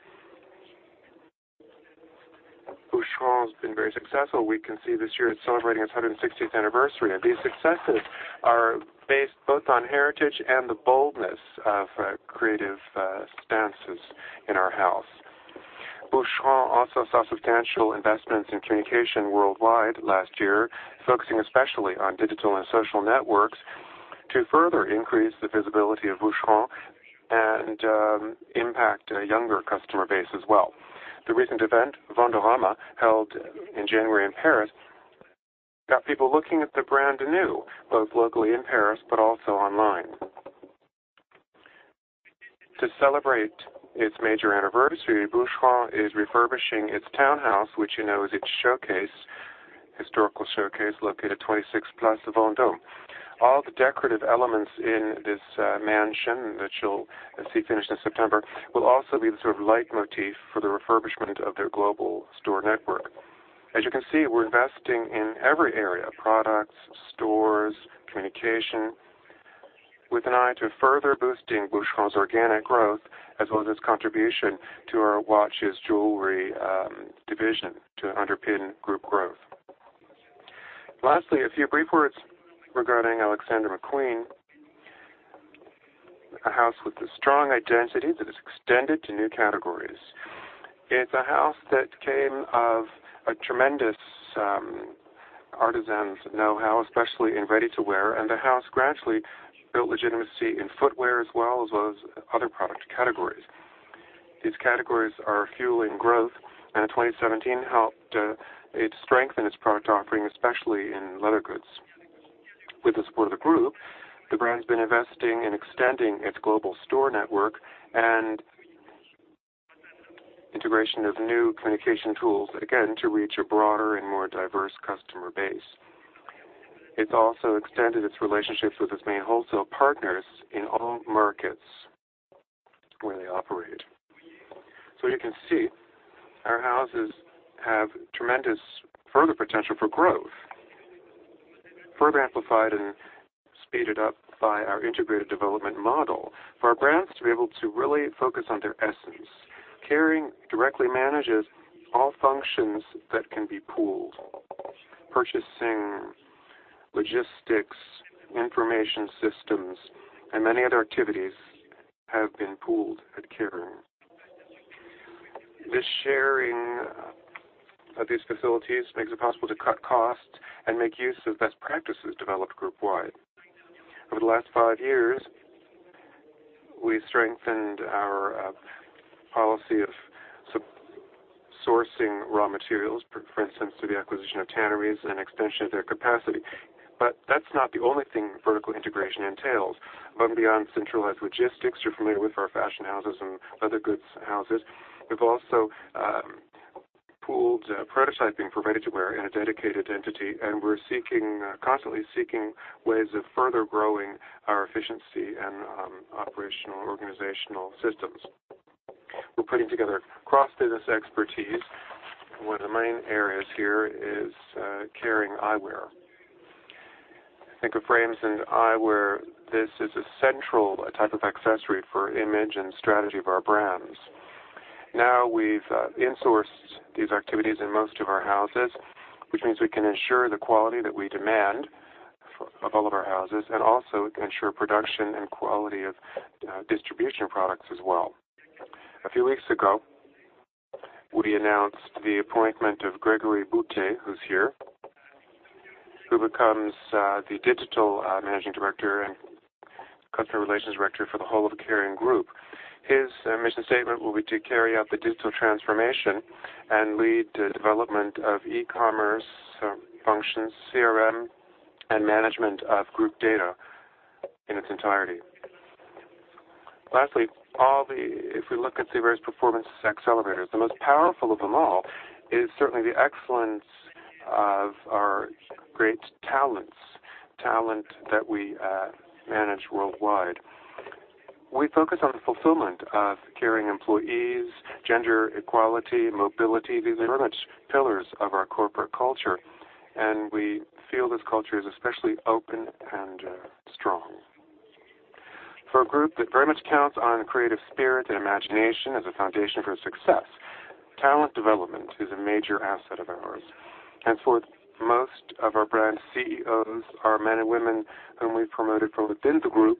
Boucheron's been very successful. We can see this year it's celebrating its 160th anniversary, and these successes are based both on heritage and the boldness of creative stances in our house. Boucheron also saw substantial investments in communication worldwide last year, focusing especially on digital and social networks to further increase the visibility of Boucheron and impact a younger customer base as well. The recent event, Vendôme-rama, held in January in Paris, got people looking at the brand anew, both locally in Paris but also online. To celebrate its major anniversary, Boucheron is refurbishing its townhouse, which you know is its historical showcase located at 26 Place Vendôme. All the decorative elements in this mansion that you'll see finished in September will also be the sort of leitmotif for the refurbishment of their global store network. As you can see, we're investing in every area, products, stores, communication, with an eye to further boosting Boucheron's organic growth as well as its contribution to our watches jewelry division to underpin group growth. Lastly, a few brief words regarding Alexander McQueen, a house with a strong identity that has extended to new categories. It's a house that came of a tremendous artisan's knowhow, especially in ready-to-wear, and the house gradually built legitimacy in footwear as well, as well as other product categories. These categories are fueling growth, and in 2017 helped it strengthen its product offering, especially in leather goods. With the support of the group, the brand's been investing in extending its global store network and integration of new communication tools, again, to reach a broader and more diverse customer base. It's also extended its relationships with its main wholesale partners in all markets where they operate. You can see our houses have tremendous further potential for growth, further amplified as Speeded up by our integrated development model. For our brands to be able to really focus on their essence. Kering directly manages all functions that can be pooled. Purchasing, logistics, information systems, and many other activities have been pooled at Kering. This sharing of these facilities makes it possible to cut costs and make use of best practices developed group-wide. Over the last five years, we strengthened our policy of sourcing raw materials, for instance, through the acquisition of tanneries and extension of their capacity. That's not the only thing vertical integration entails. Beyond centralized logistics, you're familiar with our fashion houses and other goods houses. We've also pooled prototyping for ready-to-wear in a dedicated entity, and we're constantly seeking ways of further growing our efficiency and operational organizational systems. We're putting together cross-business expertise. One of the main areas here is Kering Eyewear. Think of frames and eyewear. This is a central type of accessory for image and strategy of our brands. Now we've insourced these activities in most of our houses, which means we can ensure the quality that we demand of all of our houses, and also ensure production and quality of distribution products as well. A few weeks ago, we announced the appointment of Grégory Boutté, who's here, who becomes the digital managing director and customer relations director for the whole of the Kering group. His mission statement will be to carry out the digital transformation and lead the development of e-commerce functions, CRM, and management of group data in its entirety. Lastly, if we look at the various performance accelerators, the most powerful of them all is certainly the excellence of our great talents. Talent that we manage worldwide. We focus on the fulfillment of Kering employees, gender equality, mobility. These are very much pillars of our corporate culture, and we feel this culture is especially open and strong. For a group that very much counts on creative spirit and imagination as a foundation for success, talent development is a major asset of ours. For most of our brand CEOs are men and women whom we've promoted from within the group,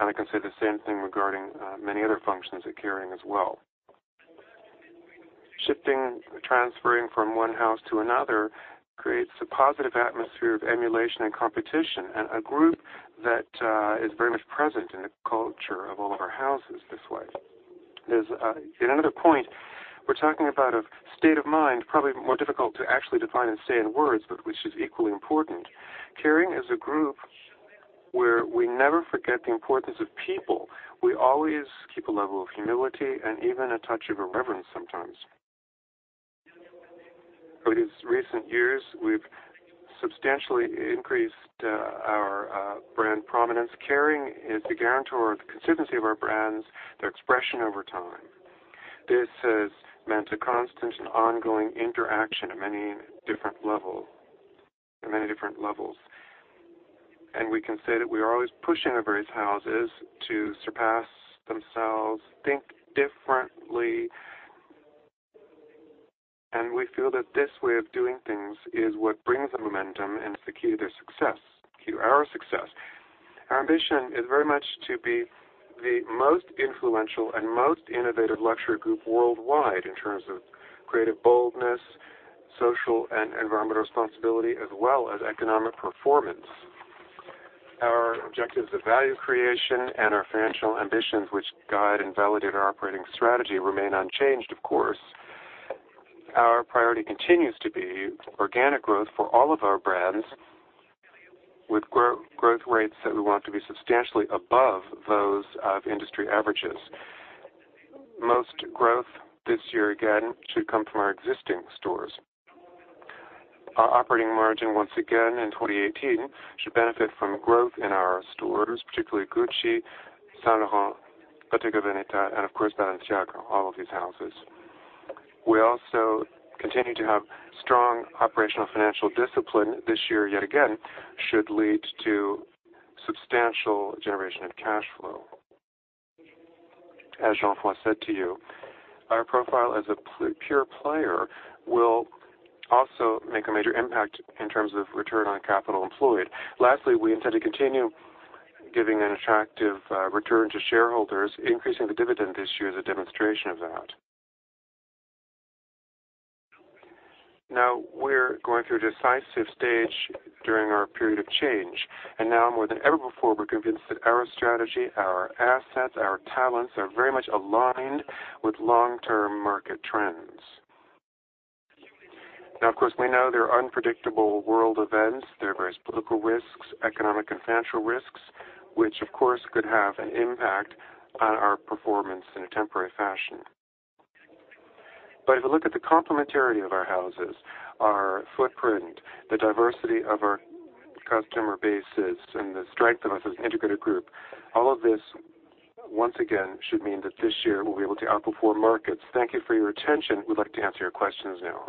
and I can say the same thing regarding many other functions at Kering as well. Shifting, transferring from one house to another creates a positive atmosphere of emulation and competition, and a group that is very much present in the culture of all of our houses this way. In another point, we're talking about a state of mind, probably more difficult to actually define and say in words, but which is equally important. Kering is a group where we never forget the importance of people. We always keep a level of humility and even a touch of a reverence sometimes. Over these recent years, we've substantially increased our brand prominence. Kering is the guarantor of the consistency of our brands, their expression over time. This has meant a constant and ongoing interaction at many different levels. We can say that we are always pushing the various houses to surpass themselves, think differently. We feel that this way of doing things is what brings the momentum and is the key to success, key to our success. Our ambition is very much to be the most influential and most innovative luxury group worldwide in terms of creative boldness, social and environmental responsibility, as well as economic performance. Our objectives of value creation and our financial ambitions, which guide and validate our operating strategy, remain unchanged, of course. Our priority continues to be organic growth for all of our brands, with growth rates that we want to be substantially above those of industry averages. Most growth this year, again, should come from our existing stores. Our operating margin, once again, in 2018, should benefit from growth in our stores, particularly Gucci, Saint Laurent, Bottega Veneta, and of course, Balenciaga, all of these houses. We also continue to have strong operational financial discipline. This year, yet again, should lead to substantial generation of cash flow. As Jean-François said to you, our profile as a pure player will also make a major impact in terms of return on capital employed. Lastly, we intend to continue giving an attractive return to shareholders, increasing the dividend this year as a demonstration of that. We're going through a decisive stage during our period of change, and now more than ever before, we're convinced that our strategy, our assets, our talents are very much aligned with long-term market trends. Of course, we know there are unpredictable world events. There are various political risks, economic and financial risks, which of course, could have an impact on our performance in a temporary fashion. If you look at the complementarity of our houses, our footprint, the diversity of our customer bases, and the strength of us as an integrated group, all of this, once again, should mean that this year we'll be able to outperform markets. Thank you for your attention. We'd like to answer your questions now.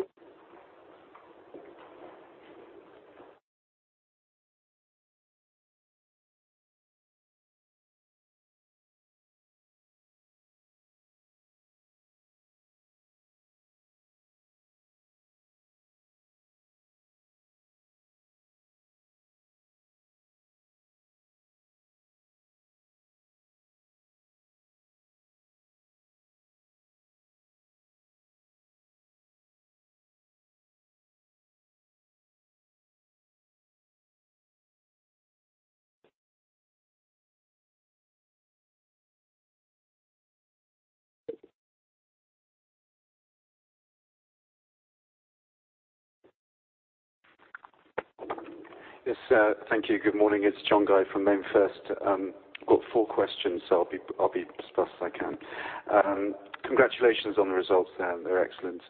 Yes. Thank you. Good morning. It's John Guy from MainFirst. I've got four questions, I'll be as fast as I can. Congratulations on the results. They're excellent.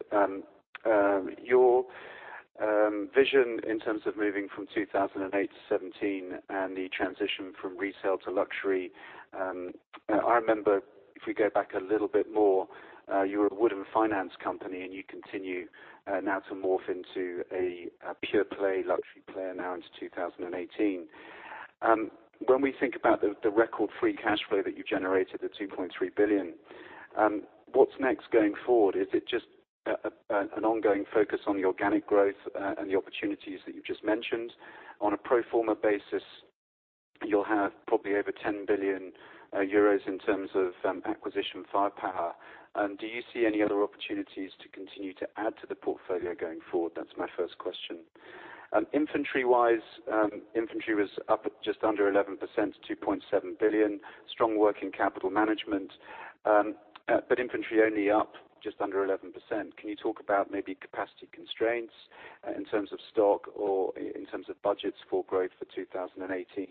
Your vision in terms of moving from 2008 to 2017 and the transition from retail to luxury. I remember, if we go back a little bit more, you were a wood and finance company, and you continue now to morph into a pure play luxury player now into 2018. When we think about the record free cash flow that you generated, the 2.3 billion, what's next going forward? Is it just an ongoing focus on the organic growth and the opportunities that you've just mentioned? On a pro forma basis, you'll have probably over 10 billion euros in terms of acquisition firepower. Do you see any other opportunities to continue to add to the portfolio going forward? That's my first question. Inventory-wise, inventory was up at just under 11%, 2.7 billion. Strong working capital management. Inventory only up just under 11%. Can you talk about maybe capacity constraints in terms of stock or in terms of budgets for growth for 2018?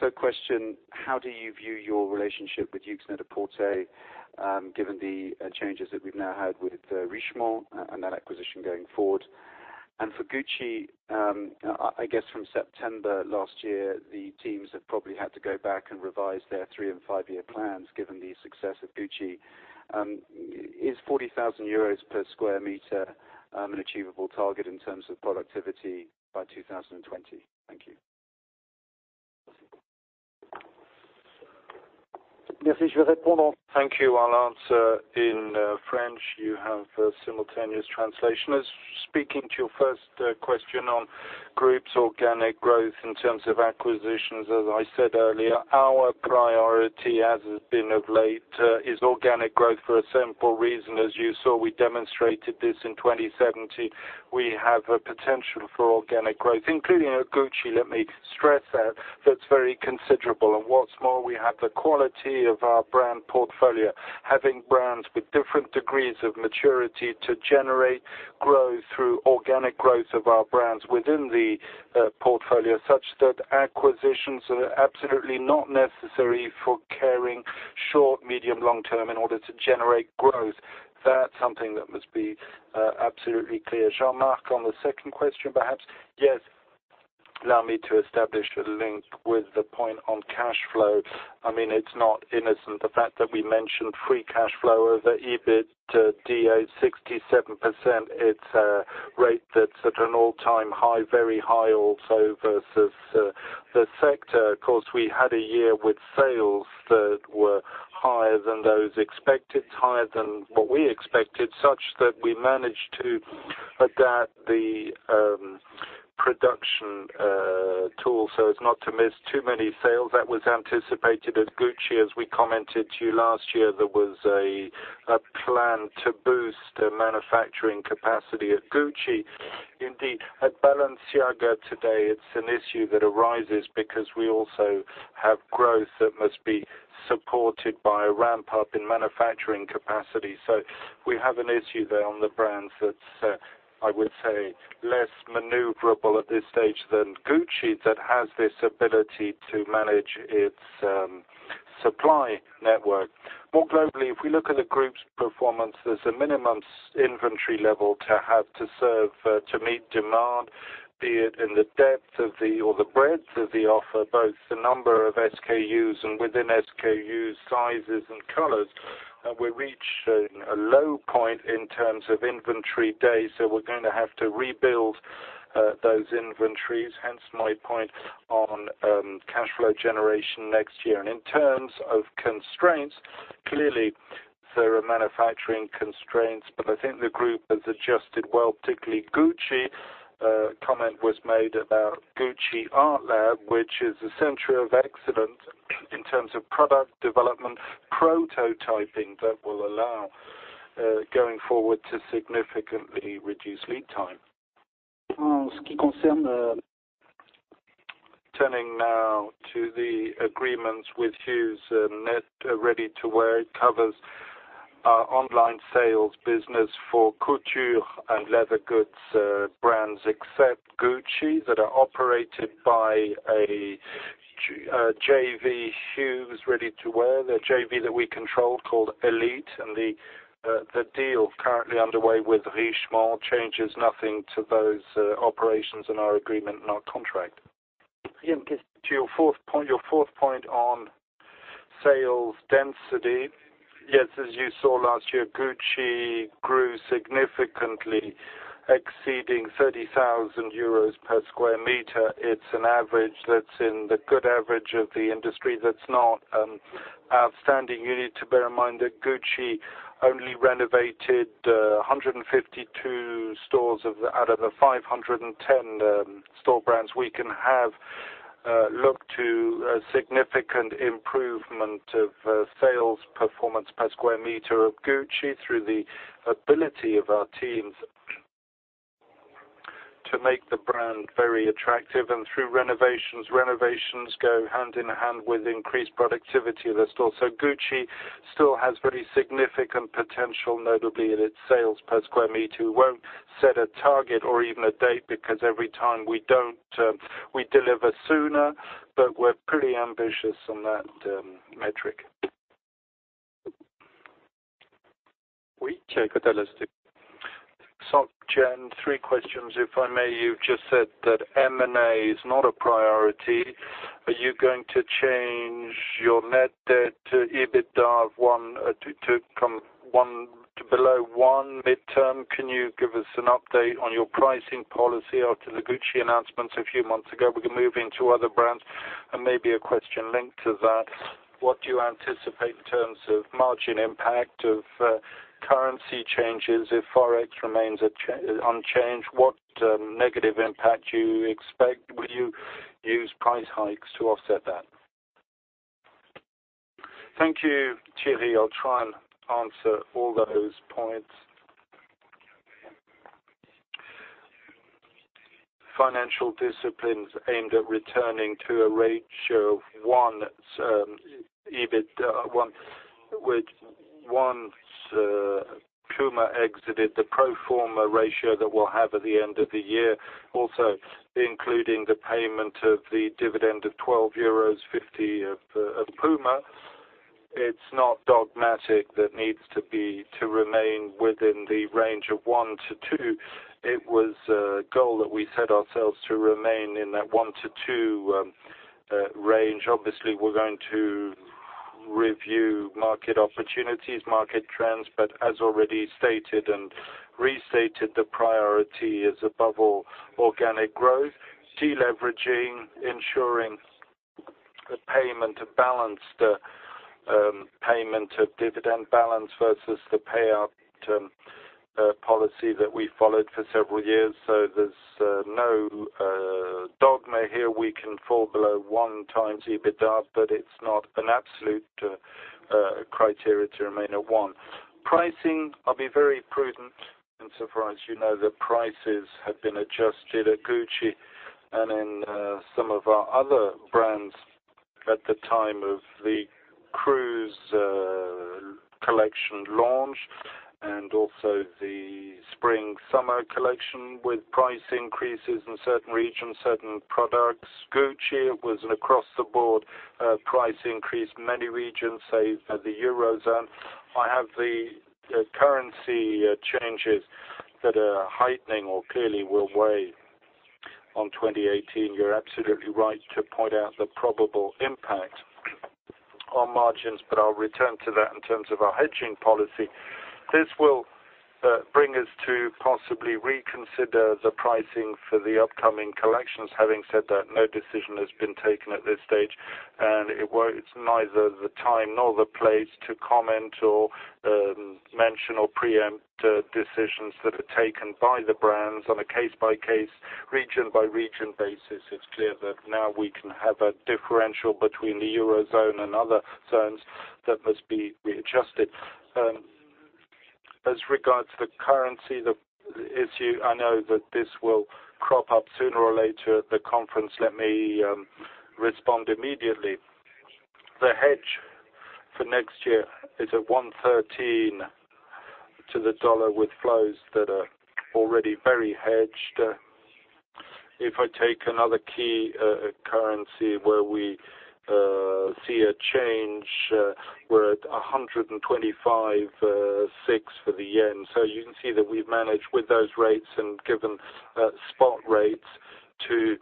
Third question, how do you view your relationship with Yoox Net-a-Porter given the changes that we've now had with Richemont and that acquisition going forward? For Gucci, I guess from September last year, the teams have probably had to go back and revise their three and five-year plans given the success of Gucci. Is 40,000 euros per square meter an achievable target in terms of productivity by 2020? Thank you. Thank you. I'll answer in French. You have simultaneous translation. Speaking to your first question on group's organic growth in terms of acquisitions, as I said earlier, our priority, as has been of late, is organic growth for a simple reason. As you saw, we demonstrated this in 2017. We have a potential for organic growth, including at Gucci, let me stress that's very considerable. What's more, we have the quality of our brand portfolio, having brands with different degrees of maturity to generate growth through organic growth of our brands within the portfolio, such that acquisitions are absolutely not necessary for Kering short, medium, long-term in order to generate growth. That's something that must be absolutely clear. Jean-Marc, on the second question, perhaps. Yes. Allow me to establish a link with the point on cash flow. It's not innocent, the fact that we mentioned free cash flow over EBITDA, 67%. It's a rate that's at an all-time high, very high also versus the sector. We had a year with sales that were higher than those expected, higher than what we expected, such that we managed to adapt the production tool so as not to miss too many sales. That was anticipated at Gucci. As we commented to you last year, there was a plan to boost manufacturing capacity at Gucci. Indeed, at Balenciaga today, it's an issue that arises because we also have growth that must be supported by a ramp-up in manufacturing capacity. We have an issue there on the brands that's, I would say, less maneuverable at this stage than Gucci that has this ability to manage its supply network. More globally, if we look at the group's performance, there's a minimum inventory level to have to serve to meet demand, be it in the depth or the breadth of the offer, both the number of SKUs and within SKUs, sizes and colors. We reached a low point in terms of inventory days, we're going to have to rebuild those inventories, hence my point on cash flow generation next year. In terms of constraints, clearly, there are manufacturing constraints, but I think the group has adjusted well, particularly Gucci. A comment was made about Gucci ArtLab, which is a center of excellence in terms of product development prototyping that will allow, going forward, to significantly reduce lead time. Turning now to the agreements with Yoox Net-a-Porter. It covers our online sales business for couture and leather goods brands except Gucci, that are operated by a JV, Yoox Net-a-Porter, the JV that we control called Elite, the deal currently underway with Richemont changes nothing to those operations and our agreement and our contract. To your fourth point on Sales density. Yes, as you saw last year, Gucci grew significantly, exceeding 30,000 euros per square meter. It's an average that's in the good average of the industry. That's not outstanding. You need to bear in mind that Gucci only renovated 152 stores out of the 510 store brands. We can have look to a significant improvement of sales performance per square meter of Gucci through the ability of our teams to make the brand very attractive and through renovations. Renovations go hand in hand with increased productivity of the store. Gucci still has very significant potential, notably in its sales per square meter. We won't set a target or even a date, because every time we don't, we deliver sooner, but we're pretty ambitious on that metric. Jean, three questions, if I may. You've just said that M&A is not a priority. Are you going to change your net debt to EBITDA from one to below one midterm? Can you give us an update on your pricing policy after the Gucci announcements a few months ago? We can move into other brands and maybe a question linked to that. What do you anticipate in terms of margin impact of currency changes? If Forex remains unchanged, what negative impact do you expect? Will you use price hikes to offset that? Thank you, Thierry. I'll try and answer all those points. Financial disciplines aimed at returning to a ratio of one EBITDA, with once Puma exited, the pro forma ratio that we'll have at the end of the year, also including the payment of the dividend of 12.50 euros of Puma. It's not dogmatic that needs to remain within the range of one to two. It was a goal that we set ourselves to remain in that 1-2 range. Obviously, we're going to review market opportunities, market trends, but as already stated and restated, the priority is above all organic growth, deleveraging, ensuring the payment of dividend balance versus the payout policy that we followed for several years. There's no dogma here. We can fall below 1x EBITDA, but it's not an absolute criteria to remain at 1. Pricing, I'll be very prudent and surprised. You know the prices have been adjusted at Gucci and in some of our other brands at the time of the Cruise collection launch and also the spring/summer collection with price increases in certain regions, certain products. Gucci was an across-the-board price increase. Many regions say the Eurozone. I have the currency changes that are heightening or clearly will weigh on 2018. You're absolutely right to point out the probable impact on margins. I'll return to that in terms of our hedging policy. This will bring us to possibly reconsider the pricing for the upcoming collections. Having said that, no decision has been taken at this stage. It's neither the time nor the place to comment or mention or preempt decisions that are taken by the brands on a case-by-case, region-by-region basis. It's clear that now we can have a differential between the Eurozone and other zones that must be readjusted. As regards to the currency issue, I know that this will crop up sooner or later at the conference. Let me respond immediately. The hedge for next year is at 113 to the USD with flows that are already very hedged. If I take another key currency where we see a change, we're at 125.6 for the JPY. You can see that we've managed with those rates and given spot rates to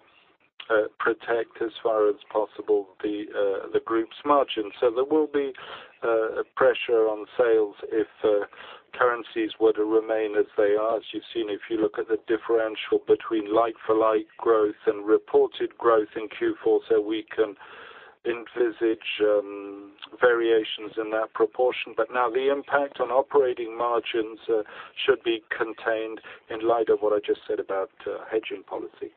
protect as far as possible the group's margin. There will be pressure on sales if currencies were to remain as they are. As you've seen, if you look at the differential between like-for-like growth and reported growth in Q4, we can envisage variations in that proportion. Now the impact on operating margins should be contained in light of what I just said about hedging policy.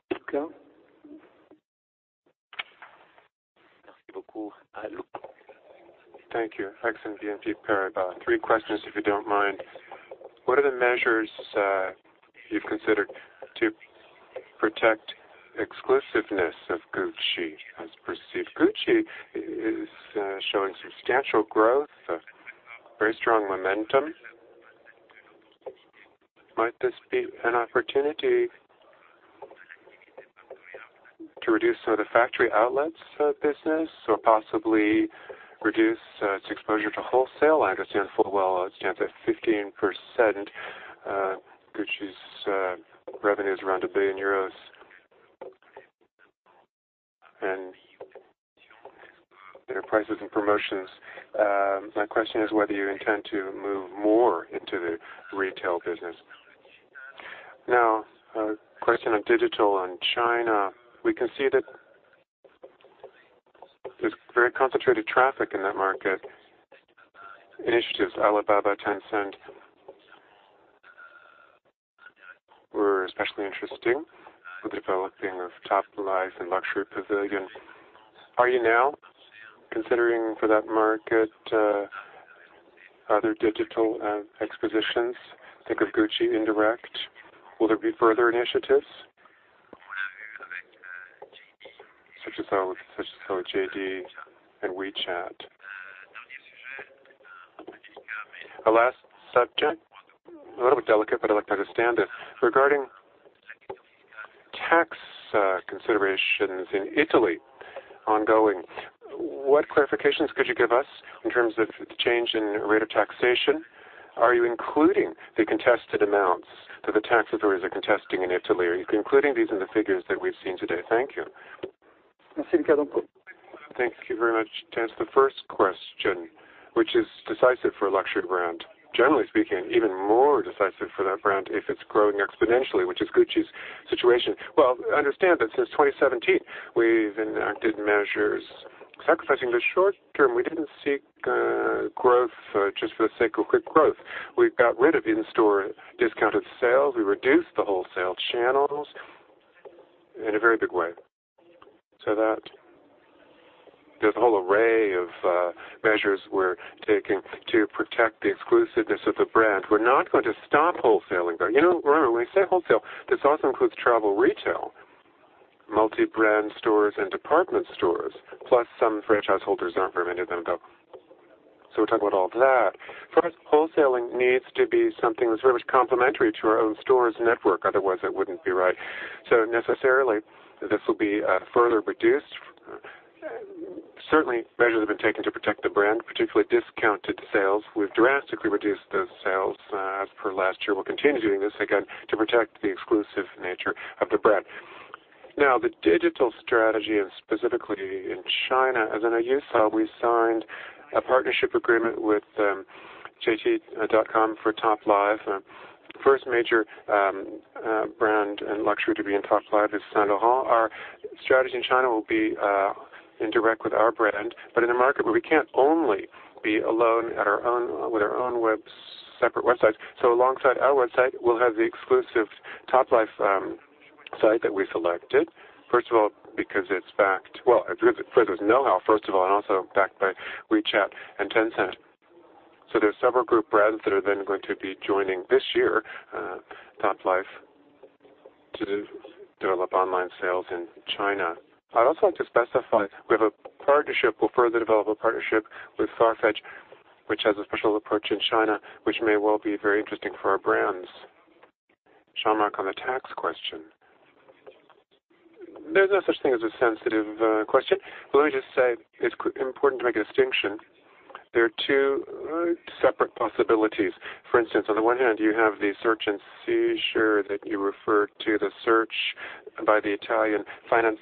Thank you. [Axon BNP Paribas] Three questions, if you don't mind. What are the measures you've considered to protect the exclusiveness of Gucci as perceived? Gucci is showing substantial growth, very strong momentum. Might this be an opportunity to reduce some of the factory outlets business or possibly reduce its exposure to wholesale? I understand full well it stands at 15%. Gucci's revenue is around 1 billion euros. Their prices and promotions. My question is whether you intend to move more into the retail business. A question on digital and China. We can see that there's very concentrated traffic in that market. Initiatives Alibaba, Tencent, were especially interesting for developing of Toplife and Luxury Pavilion. Are you now considering for that market other digital expositions? Think of Gucci indirect. Will there be further initiatives such as JD and WeChat? A last subject, a little bit delicate, but I'd like to understand it. Regarding tax considerations in Italy, ongoing. What clarifications could you give us in terms of the change in rate of taxation? Are you including the contested amounts that the tax authorities are contesting in Italy? Are you including these in the figures that we've seen today? Thank you. Thank you very much. To answer the first question, which is decisive for a luxury brand, generally speaking, even more decisive for that brand if it's growing exponentially, which is Gucci's situation. Understand that since 2017, we've enacted measures sacrificing the short term. We didn't seek growth just for the sake of quick growth. We got rid of in-store discounted sales. We reduced the wholesale channels in a very big way. There's a whole array of measures we're taking to protect the exclusiveness of the brand. We're not going to stop wholesaling, though. Remember, when we say wholesale, this also includes travel retail, multi-brand stores and department stores, plus some franchise holders, not very many of them, though. We're talking about all of that. Wholesaling needs to be something that's very much complementary to our own stores network. Otherwise, it wouldn't be right. Necessarily, this will be further reduced. Certainly, measures have been taken to protect the brand, particularly discounted sales. We've drastically reduced those sales as per last year. We'll continue doing this, again, to protect the exclusive nature of the brand. The digital strategy and specifically in China, as I know you saw, we signed a partnership agreement with JD.com for Toplife. First major brand and luxury to be in Toplife is Saint Laurent. Our strategy in China will be in direct with our brand, but in a market where we can't only be alone with our own separate websites. Alongside our website, we'll have the exclusive Toplife site that we selected. First there's know-how, first of all, and also backed by WeChat and Tencent. There are several group brands that are then going to be joining this year, Toplife, to develop online sales in China. I'd also like to specify, we have a partnership, we'll further develop a partnership with Farfetch, which has a special approach in China, which may well be very interesting for our brands. Jean-Marc, on the tax question. There's no such thing as a sensitive question. Let me just say, it's important to make a distinction. There are two separate possibilities. On the one hand, you have the search and seizure that you refer to, the search by the Italian finance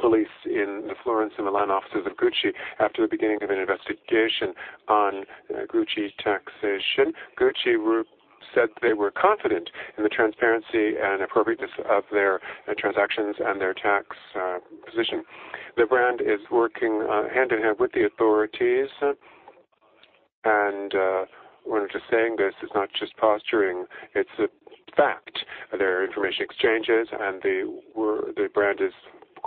police in the Florence and Milan offices of Gucci after the beginning of an investigation on Gucci taxation. Gucci Group said they were confident in the transparency and appropriateness of their transactions and their tax position. The brand is working hand-in-hand with the authorities, and we're not just saying this, it's not just posturing, it's a fact. There are information exchanges, and the brand is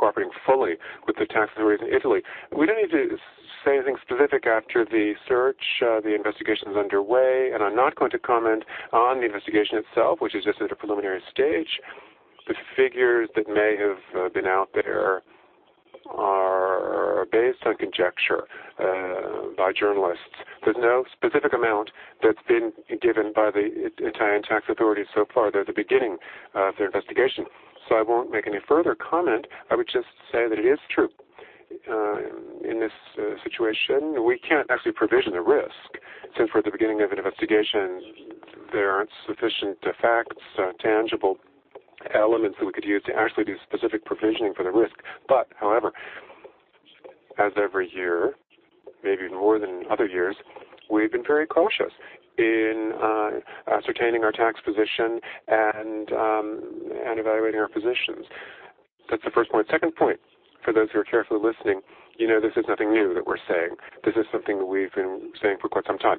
cooperating fully with the tax authorities in Italy. We don't need to say anything specific after the search. The investigation is underway, and I'm not going to comment on the investigation itself, which is just at a preliminary stage. The figures that may have been out there are based on conjecture by journalists. There's no specific amount that's been given by the Italian tax authorities so far. They're at the beginning of their investigation. I won't make any further comment. I would just say that it is true. In this situation, we can't actually provision the risk, since we're at the beginning of an investigation. There aren't sufficient facts, tangible elements that we could use to actually do specific provisioning for the risk. However, as every year, maybe more than other years, we've been very cautious in ascertaining our tax position and evaluating our positions. That's the first point. Second point, for those who are carefully listening, you know this is nothing new that we're saying. This is something that we've been saying for quite some time.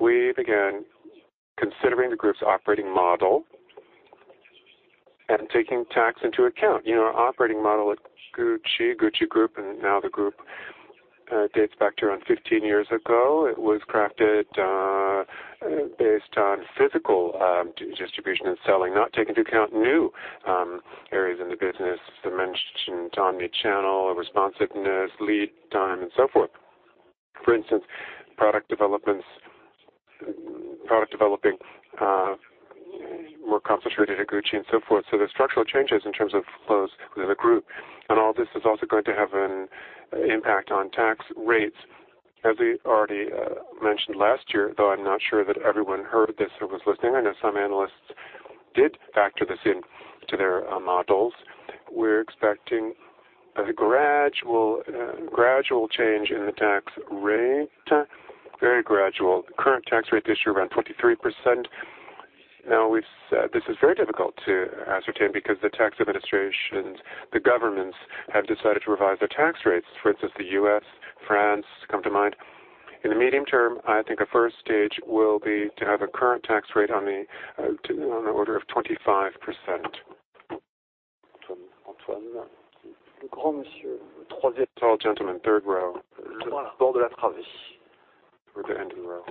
We began considering the group's operating model and taking tax into account. Our operating model at Gucci Group, and now the group, dates back to around 15 years ago. It was crafted based on physical distribution and selling, not taking into account new areas in the business, dimension, omni-channel, responsiveness, lead time, and so forth. For instance, product developing more concentrated at Gucci and so forth. There's structural changes in terms of flows within the group. All this is also going to have an impact on tax rates. As we already mentioned last year, though I'm not sure that everyone heard this who was listening. I know some analysts did factor this into their models. We're expecting a gradual change in the tax rate. Very gradual. Current tax rate this year, around 23%. This is very difficult to ascertain because the tax administrations, the governments, have decided to revise their tax rates. For instance, the U.S., France come to mind. In the medium term, I think a first stage will be to have a current tax rate on the order of 25%. Antoine. Tall gentleman, third row. The end of the row.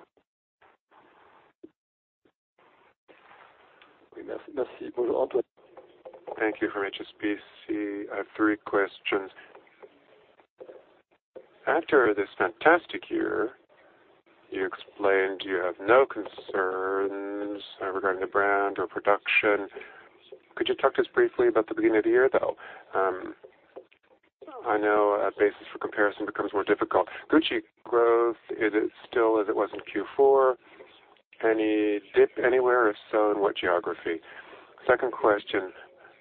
Thank you, from HSBC. I have three questions. After this fantastic year, you explained you have no concerns regarding the brand or production. Could you talk to us briefly about the beginning of the year, though? I know a basis for comparison becomes more difficult. Gucci growth, is it still as it was in Q4? Any dip anywhere? If so, in what geography? Second question,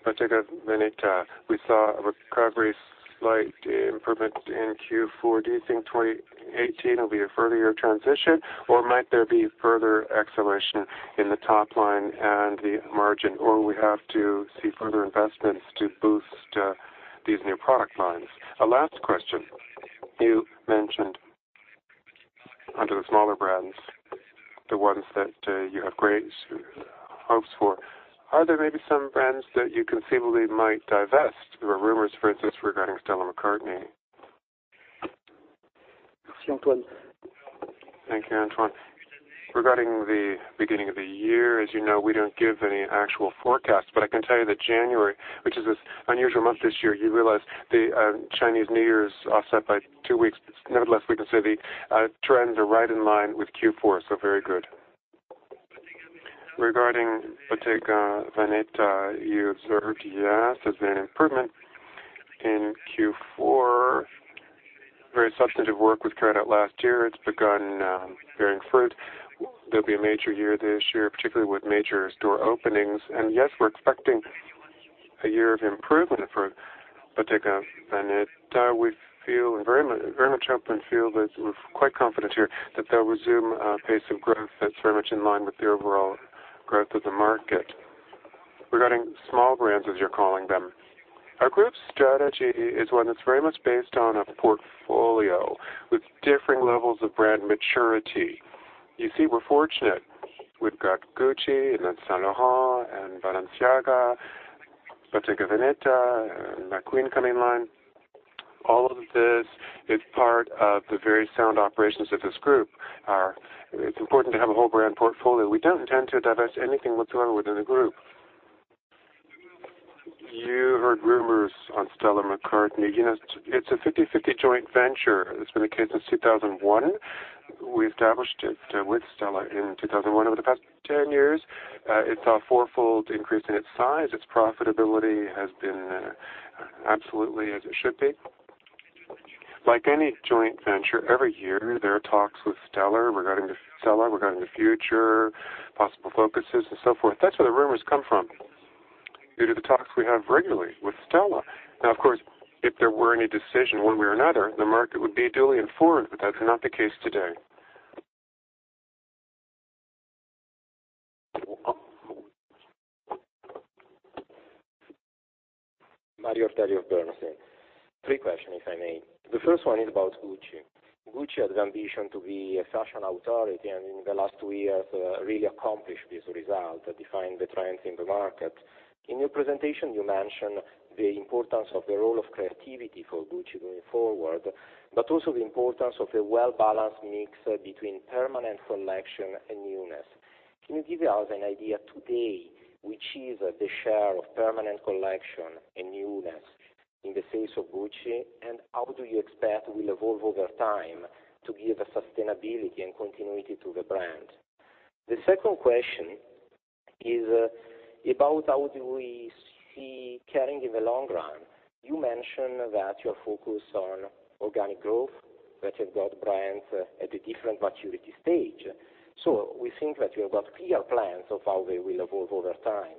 Bottega Veneta. We saw a recovery, slight improvement in Q4. Do you think 2018 will be a further transition, or might there be further acceleration in the top line and the margin? We have to see further investments to boost these new product lines? A last question. You mentioned under the smaller brands, the ones that you have great hopes for. Are there maybe some brands that you conceivably might divest? There were rumors, for instance, regarding Stella McCartney. Thank you, Antoine. Regarding the beginning of the year, as you know, we don't give any actual forecast. I can tell you that January, which is this unusual month this year, you realize the Chinese New Year is offset by two weeks. Nevertheless, we can say the trends are right in line with Q4, so very good. Regarding Bottega Veneta, you observed, yes, there's been an improvement in Q4. Very substantive work was carried out last year. It's begun bearing fruit. There'll be a major year this year, particularly with major store openings. Yes, we're expecting a year of improvement for Bottega Veneta. We feel very much open field. We're quite confident here that they'll resume a pace of growth that's very much in line with the overall growth of the market. Regarding small brands, as you're calling them, our group's strategy is one that's very much based on a portfolio with differing levels of brand maturity. You see, we're fortunate. We've got Gucci and then Saint Laurent and Balenciaga, Bottega Veneta, McQueen coming in line. All of this is part of the very sound operations of this group. It's important to have a whole brand portfolio. We don't intend to divest anything whatsoever within the group. You heard rumors on Stella McCartney. It's a 50/50 joint venture. That's been the case since 2001. We established it with Stella in 2001. Over the past 10 years, it saw fourfold increase in its size. Its profitability has been absolutely as it should be. Like any joint venture, every year, there are talks with Stella regarding the future, possible focuses, and so forth. That's where the rumors come from, due to the talks we have regularly with Stella. Of course, if there were any decision one way or another, the market would be duly informed. That's not the case today. Mario Ortelli of Bernstein. Three questions, if I may. The first one is about Gucci. Gucci has the ambition to be a fashion authority, and in the last two years, really accomplished this result, defining the trends in the market. In your presentation, you mentioned the importance of the role of creativity for Gucci going forward, but also the importance of a well-balanced mix between permanent collection and newness. Can you give us an idea today which is the share of permanent collection and newness in the case of Gucci, and how do you expect will evolve over time to give a sustainability and continuity to the brand? The second question is about how do we see Kering in the long run. You mentioned that you're focused on organic growth, that you've got brands at a different maturity stage. We think that you have got clear plans of how they will evolve over time.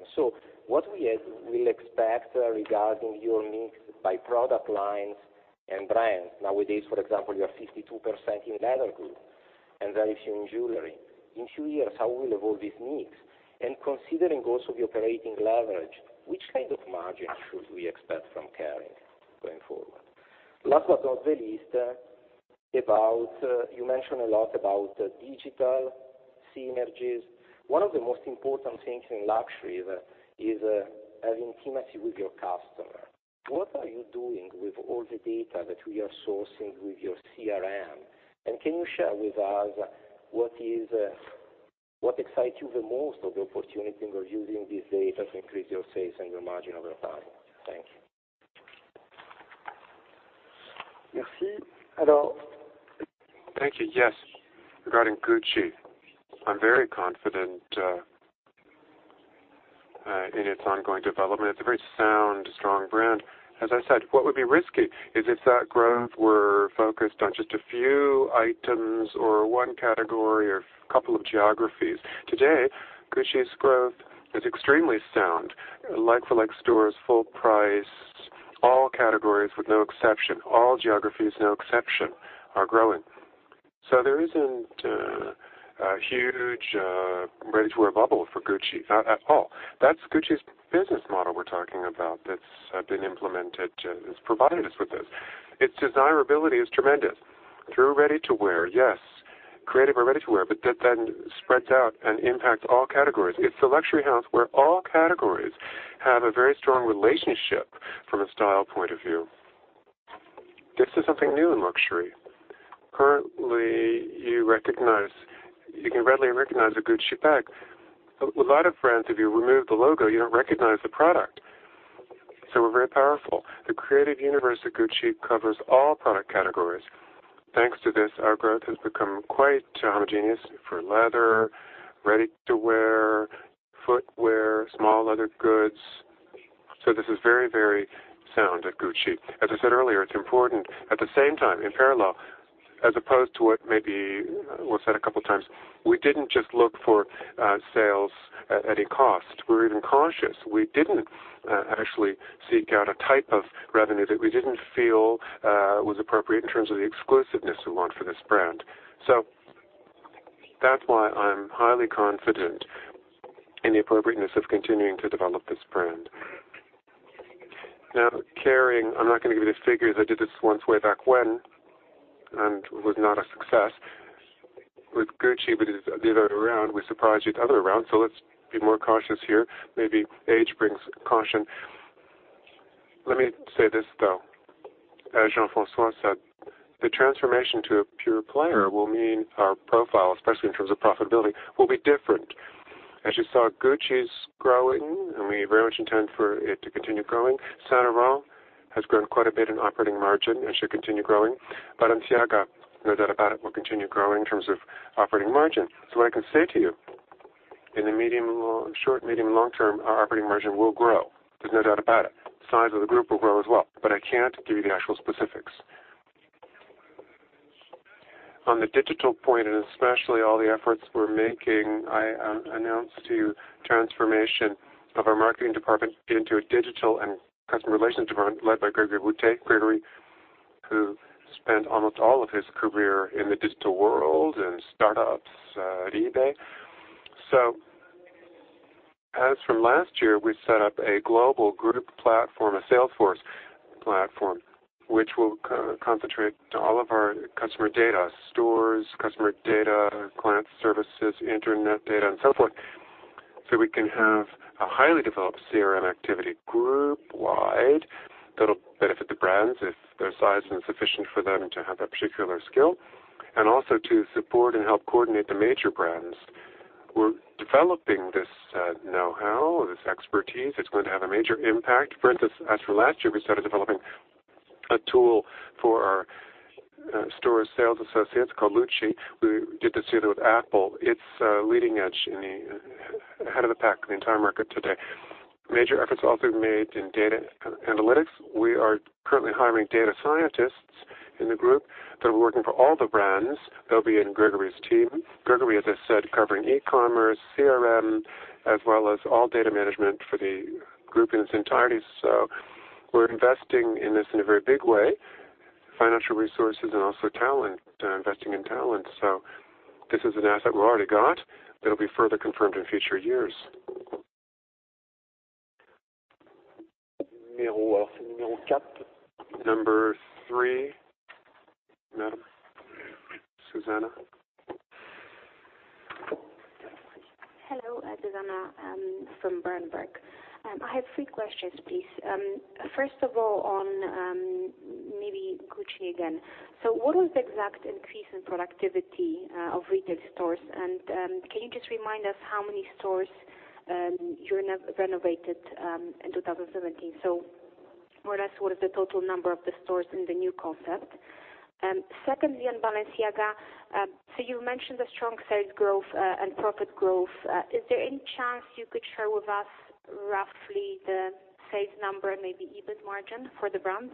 What we will expect regarding your mix by product lines and brands? Nowadays, for example, you are 52% in leather group and then it's in jewelry. In two years, how will evolve this mix? Considering also the operating leverage, which kind of margin should we expect from Kering going forward? Last but not the least, you mentioned a lot about digital synergies. One of the most important things in luxury is an intimacy with your customer. What are you doing with all the data that we are sourcing with your CRM? Can you share with us what excites you the most of the opportunity in using these data to increase your sales and your margin over time? Thank you. Thank you. Yes. Regarding Gucci, I'm very confident in its ongoing development. It's a very sound, strong brand. As I said, what would be risky is if that growth were focused on just a few items or one category or a couple of geographies. Today, Gucci's growth is extremely sound. Like-for-like stores, full price, all categories with no exception, all geographies, no exception, are growing. There isn't a huge ready-to-wear bubble for Gucci at all. That's Gucci's business model we're talking about that's been implemented, that's provided us with this. Its desirability is tremendous. Through ready-to-wear, yes, creative and ready-to-wear, that then spreads out and impacts all categories. It's the luxury house where all categories have a very strong relationship from a style point of view. This is something new in luxury. Currently, you can readily recognize a Gucci bag. With a lot of brands, if you remove the logo, you don't recognize the product. We're very powerful. The creative universe of Gucci covers all product categories. Thanks to this, our growth has become quite homogeneous for leather, ready-to-wear, footwear, small leather goods. This is very sound at Gucci. As I said earlier, it's important at the same time, in parallel, as opposed to what maybe was said a couple of times, we didn't just look for sales at any cost. We were even cautious. We didn't actually seek out a type of revenue that we didn't feel was appropriate in terms of the exclusiveness we want for this brand. That's why I'm highly confident in the appropriateness of continuing to develop this brand. Now, Kering, I'm not going to give you the figures. I did this once way back when, it was not a success. With Gucci, we did it the other way around. We surprised it the other way around, let's be more cautious here. Maybe age brings caution. Let me say this, though. As Jean-François said, the transformation to a pure player will mean our profile, especially in terms of profitability, will be different. As you saw, Gucci's growing, we very much intend for it to continue growing. Saint Laurent has grown quite a bit in operating margin and should continue growing. Balenciaga, no doubt about it, will continue growing in terms of operating margin. What I can say to you, in the short, medium, and long term, our operating margin will grow. There's no doubt about it. Size of the group will grow as well, I can't give you the actual specifics. Especially all the efforts we're making, I announced to you transformation of our marketing department into a digital and customer relations department led by Grégory Boutté. Grégory, who spent almost all of his career in the digital world, in startups, at eBay. As from last year, we set up a global group platform, a Salesforce platform, which will concentrate all of our customer data, stores, customer data, client services, internet data, and so forth. We can have a highly developed CRM activity group-wide that'll benefit the brands if their size isn't sufficient for them to have that particular skill, and also to support and help coordinate the major brands. We're developing this know-how or this expertise. It's going to have a major impact. For instance, as for last year, we started developing a tool for our store sales associates called Luce. We did this together with Apple. It's leading edge and ahead of the pack in the entire market today. Major efforts also made in data analytics. We are currently hiring data scientists in the group that are working for all the brands. They'll be in Grégory's team. Grégory, as I said, covering e-commerce, CRM, as well as all data management for the group in its entirety. We're investing in this in a very big way, financial resources and also talent, investing in talent. This is an asset we've already got that'll be further confirmed in future years. Number three. Madam Susanna? Hello. Susanna from Berenberg. I have three questions, please. First of all, on maybe Gucci again. What was the exact increase in productivity of retail stores? Can you just remind us how many stores you renovated in 2017? More or less, what is the total number of the stores in the new concept? Secondly, on Balenciaga, you mentioned the strong sales growth and profit growth. Is there any chance you could share with us roughly the sales number and maybe EBIT margin for the brand?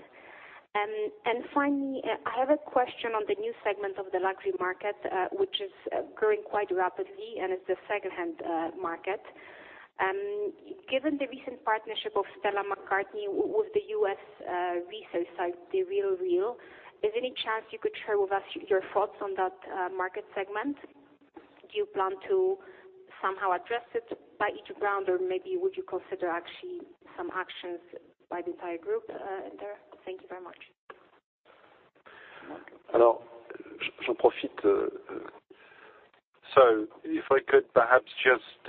Finally, I have a question on the new segment of the luxury market, which is growing quite rapidly, and it's the secondhand market. Given the recent partnership of Stella McCartney with the U.S. resale site, The RealReal, is there any chance you could share with us your thoughts on that market segment? Do you plan to somehow address it by each brand, or maybe would you consider actually some actions by the entire group in there? Thank you very much. If I could perhaps just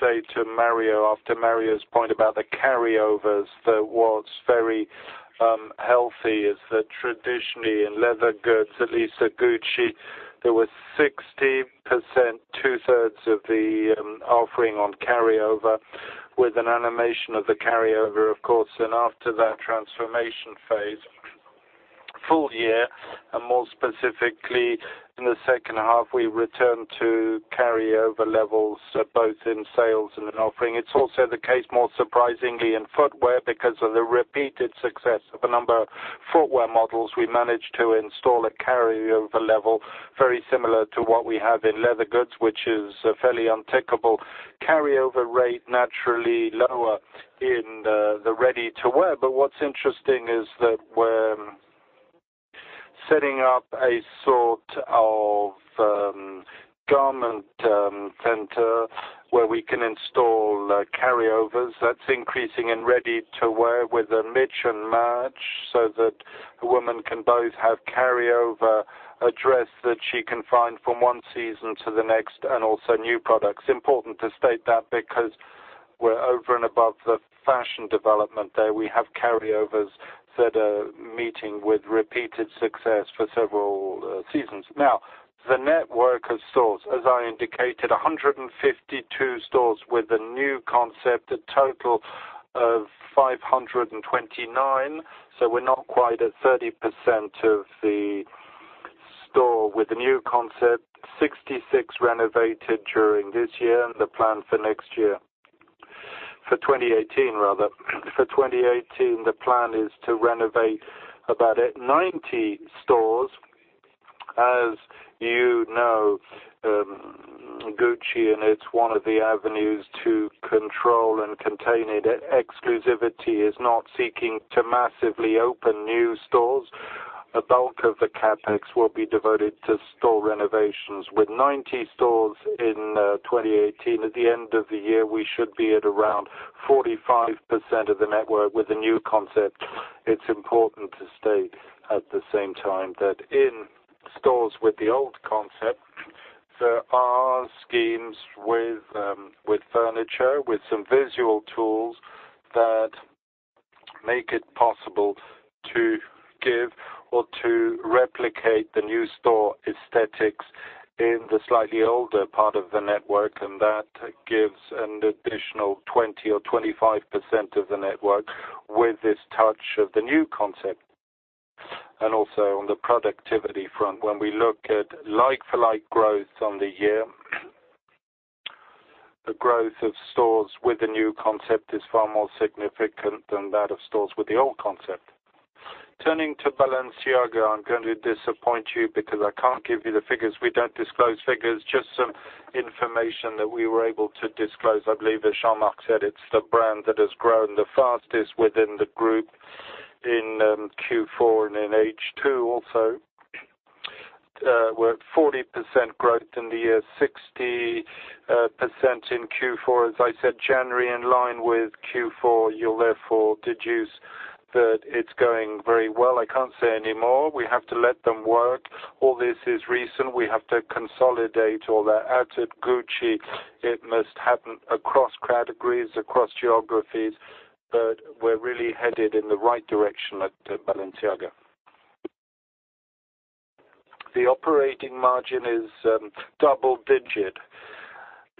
say to Mario, after Mario's point about the carryovers, that what's very healthy is that traditionally in leather goods, at least at Gucci, there was 16%, two-thirds of the offering on carryover with an animation of the carryover, of course. After that transformation phase Full year, more specifically in the second half, we returned to carryover levels both in sales and in offering. It's also the case, more surprisingly, in footwear because of the repeated success of a number of footwear models, we managed to install a carryover level very similar to what we have in leather goods, which is a fairly untouchable carryover rate, naturally lower in the ready-to-wear. What's interesting is that we're setting up a sort of garment center where we can install carryovers. That's increasing in ready-to-wear with a mix and match so that a woman can both have carryover, a dress that she can find from one season to the next, and also new products. Important to state that because we're over and above the fashion development there. We have carryovers that are meeting with repeated success for several seasons. The network of stores, as I indicated, 152 stores with a new concept, a total of 529. We're not quite at 30% of the store with the new concept. 66 renovated during this year, the plan for next year, for 2018 rather. For 2018, the plan is to renovate about 90 stores. As you know, Gucci, it's one of the avenues to control and contain it, exclusivity is not seeking to massively open new stores. A bulk of the CapEx will be devoted to store renovations. With 90 stores in 2018, at the end of the year, we should be at around 45% of the network with a new concept. It's important to state at the same time that in stores with the old concept, there are schemes with furniture, with some visual tools that make it possible to give or to replicate the new store aesthetics in the slightly older part of the network, that gives an additional 20% or 25% of the network with this touch of the new concept. Also on the productivity front, when we look at like-for-like growth on the year, the growth of stores with the new concept is far more significant than that of stores with the old concept. Turning to Balenciaga, I'm going to disappoint you because I can't give you the figures. We don't disclose figures, just some information that we were able to disclose. I believe, as Jean-Marc said, it's the brand that has grown the fastest within the group in Q4 and in H2 also, with 40% growth in the year, 60% in Q4. As I said, January in line with Q4, you'll therefore deduce that it's going very well. I can't say anymore. We have to let them work. All this is recent. We have to consolidate all that. As at Gucci, it must happen across categories, across geographies, but we're really headed in the right direction at Balenciaga. The operating margin is double digit.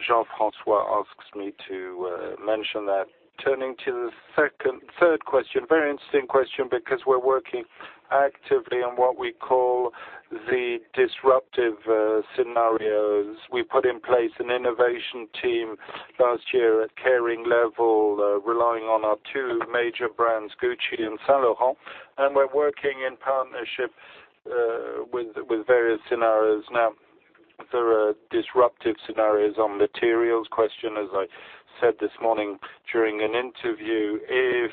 Jean-François asks me to mention that. Turning to the third question, very interesting question because we're working actively on what we call the disruptive scenarios. We put in place an innovation team last year at Kering level, relying on our two major brands, Gucci and Saint Laurent. We're working in partnership with various scenarios. There are disruptive scenarios on materials. Question, as I said this morning during an interview, if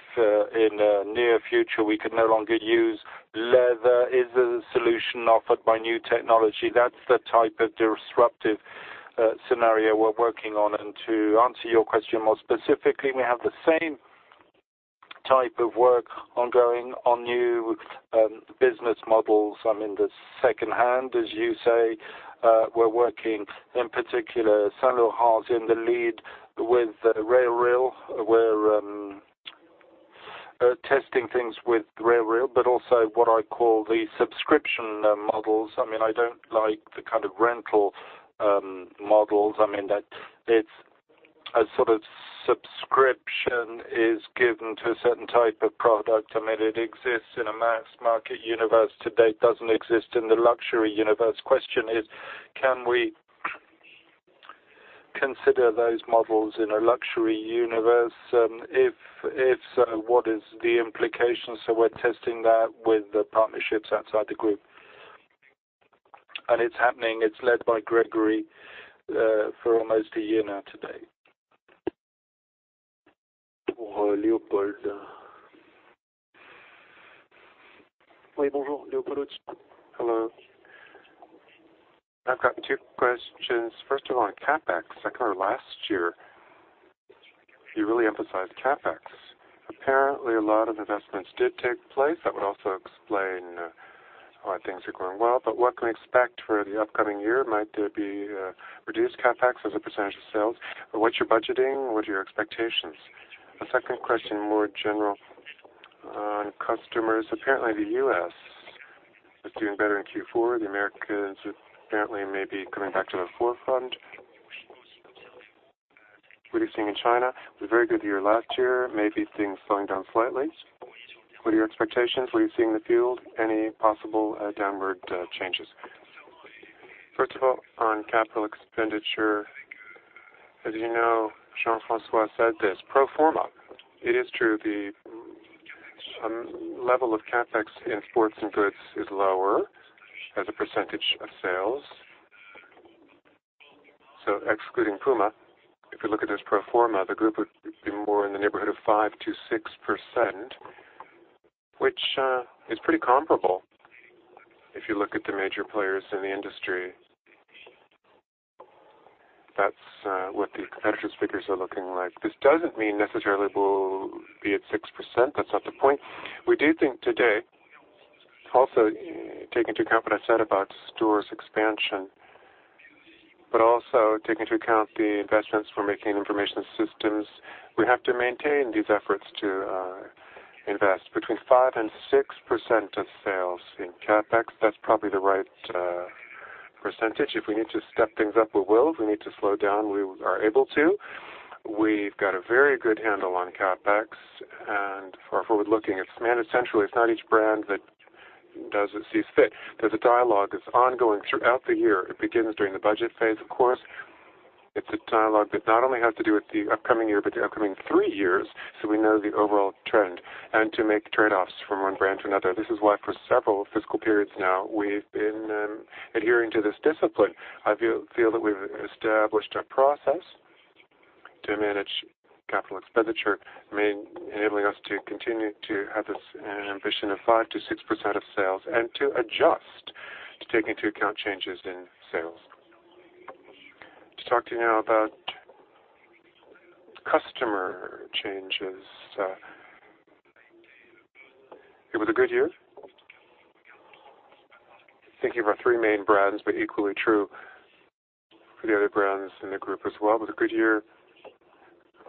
in the near future we could no longer use leather, is the solution offered by new technology? That's the type of disruptive scenario we're working on. To answer your question more specifically, we have the same type of work ongoing on new business models. I mean, the second-hand, as you say, we're working in particular, Saint Laurent in the lead with The RealReal. We're testing things with The RealReal, but also what I call the subscription models. I don't like the kind of rental models. I mean that it's a sort of subscription is given to a certain type of product. It exists in a mass market universe. Today, it doesn't exist in the luxury universe. Question is, can we consider those models in a luxury universe? If so, what is the implication? We're testing that with the partnerships outside the group. It's happening. It's led by Grégory for almost a year now today. [For Leopold] Hello. I've got two questions. First of all, on CapEx. Second, last year, you really emphasized CapEx. Apparently, a lot of investments did take place. That would also explain why things are going well. What can we expect for the upcoming year? Might there be a reduced CapEx as a percentage of sales? What's your budgeting? What are your expectations? The second question, more general on customers. Apparently, the U.S. is doing better in Q4. The Americas apparently may be coming back to the forefront. What are you seeing in China? It was a very good year last year. Maybe things slowing down slightly. What are your expectations? What are you seeing in the field? Any possible downward changes? First of all, on capital expenditure, as you know, Jean-François said this, pro forma, it is true, the level of CapEx in sports and goods is lower as a percentage of sales. Excluding Puma, if we look at this pro forma, the group would be more in the neighborhood of 5%-6%, which is pretty comparable if you look at the major players in the industry. That's what the competitors' figures are looking like. This doesn't mean necessarily we'll be at 6%. That's not the point. We do think today, also taking into account what I said about stores expansion, also taking into account the investments for making information systems. We have to maintain these efforts to invest between 5% and 6% of sales in CapEx. That's probably the right percentage. If we need to step things up, we will. If we need to slow down, we are able to. We've got a very good handle on CapEx. For forward looking, it's managed centrally. It's not each brand that does as it sees fit. There's a dialogue that's ongoing throughout the year. It begins during the budget phase, of course. It's a dialogue that not only has to do with the upcoming year, but the upcoming three years. We know the overall trend and to make trade-offs from one brand to another. This is why for several fiscal periods now, we've been adhering to this discipline. I feel that we've established a process to manage capital expenditure, enabling us to continue to have this ambition of 5%-6% of sales and to adjust to take into account changes in sales. To talk to you now about customer changes. It was a good year. Thinking about three main brands, equally true for the other brands in the group as well. It was a good year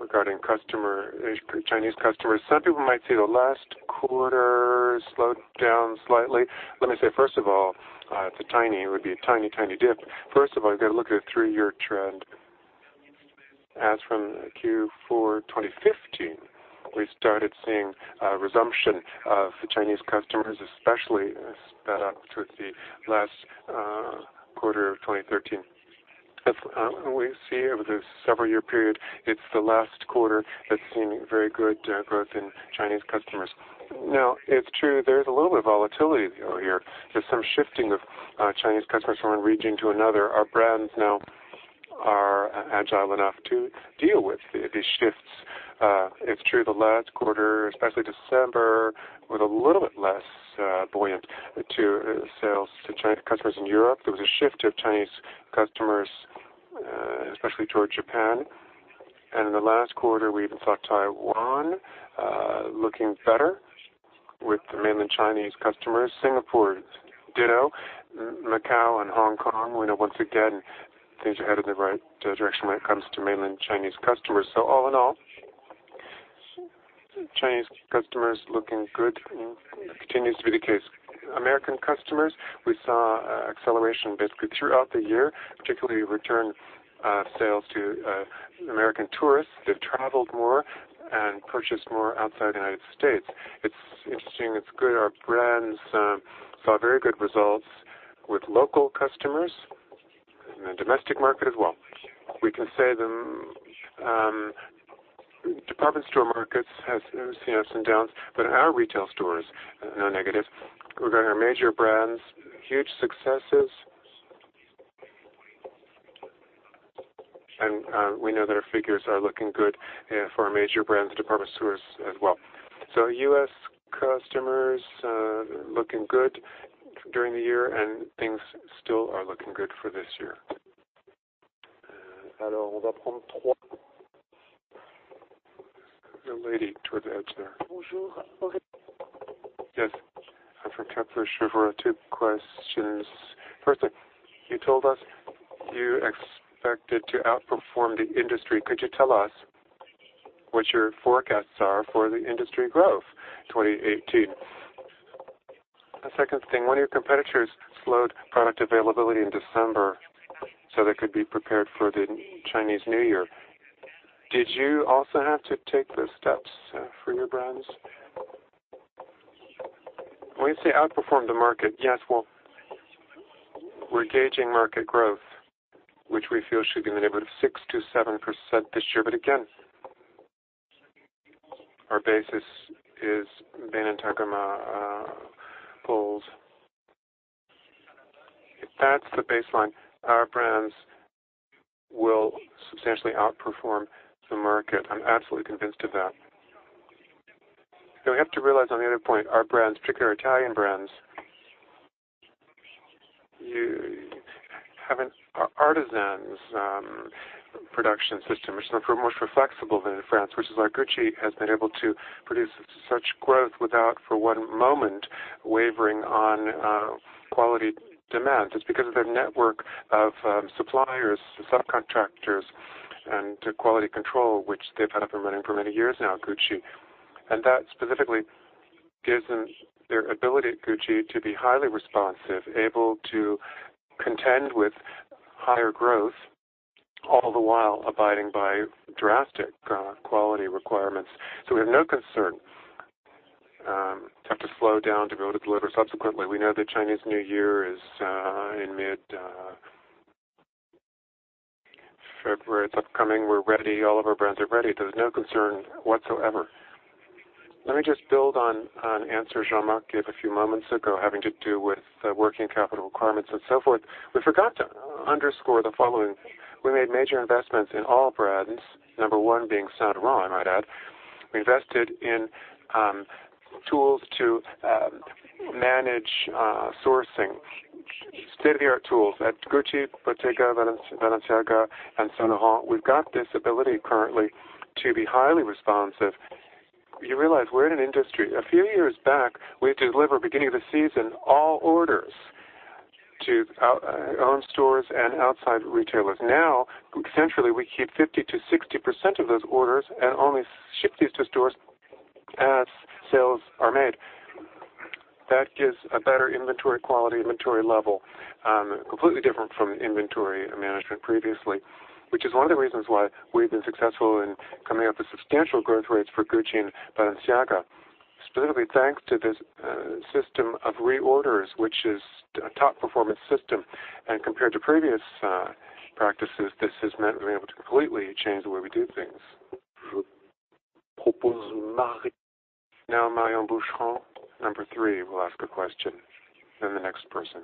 regarding Chinese customers. Some people might say the last quarter slowed down slightly. Let me say, first of all, it would be a tiny dip. First of all, you've got to look at a three-year trend. As from Q4 2015, we started seeing a resumption of Chinese customers, especially sped up towards the last quarter of 2013. We see over the several-year period, it's the last quarter that's seen very good growth in Chinese customers. It's true there's a little bit of volatility here. There's some shifting of Chinese customers from one region to another. Our brands now are agile enough to deal with these shifts. It's true the last quarter, especially December, was a little bit less buoyant to sales to Chinese customers in Europe. There was a shift of Chinese customers, especially towards Japan. In the last quarter, we even saw Taiwan looking better with the mainland Chinese customers. Singapore, ditto. Macau and Hong Kong, we know once again, things are headed in the right direction when it comes to mainland Chinese customers. All in all, Chinese customers looking good continues to be the case. American customers, we saw acceleration basically throughout the year, particularly return sales to American tourists. They've traveled more and purchased more outside the U.S. It's interesting. It's good. Our brands saw very good results with local customers in the domestic market as well. We can say the department store markets has seen ups and downs, but our retail stores, no negative. Regarding our major brands, huge successes. We know that our figures are looking good for our major brands, department stores as well. U.S. Customers looking good during the year. Things still are looking good for this year. The lady toward the edge there. Bonjour. Okay. Yes. I'm from Kepler Cheuvreux. Two questions. First thing, you told us you expected to outperform the industry. Could you tell us what your forecasts are for the industry growth 2018? The second thing, one of your competitors slowed product availability in December so they could be prepared for the Chinese New Year. Did you also have to take those steps for your brands? When you say outperform the market, yes, well, we're gauging market growth, which we feel should be in the neighborhood of 6%-7% this year. Again, our basis is Bain & Altagamma polls. If that's the baseline, our brands will substantially outperform the market. I'm absolutely convinced of that. We have to realize on the other point, our brands, particularly our Italian brands, you have an artisan's production system. It's much more flexible than in France, which is why Gucci has been able to produce such growth without, for one moment, wavering on quality demands. It's because of their network of suppliers, subcontractors, and quality control, which they've had up and running for many years now, Gucci. That specifically gives them their ability at Gucci to be highly responsive, able to contend with higher growth, all the while abiding by drastic quality requirements. We have no concern to have to slow down to be able to deliver subsequently. We know that Chinese New Year is in mid-February. It's upcoming. We're ready. All of our brands are ready. There's no concern whatsoever. Let me just build on an answer Jean-Marc gave a few moments ago, having to do with working capital requirements and so forth. We forgot to underscore the following. We made major investments in all brands. Number one being Saint Laurent, I might add. We invested in tools to manage sourcing, state-of-the-art tools at Gucci, Bottega, Balenciaga, and Saint Laurent. We've got this ability currently to be highly responsive. You realize we're in an industry, a few years back, we had to deliver beginning of the season, all orders to our own stores and outside retailers. Now, centrally, we keep 50%-60% of those orders and only ship these to stores as sales are made. That gives a better inventory quality, inventory level, completely different from inventory management previously, which is one of the reasons why we've been successful in coming up with substantial growth rates for Gucci and Balenciaga, specifically thanks to this system of reorders, which is a top performance system. Compared to previous practices, this has meant we've been able to completely change the way we do things. Marion Bouchert, number three, will ask a question. The next person.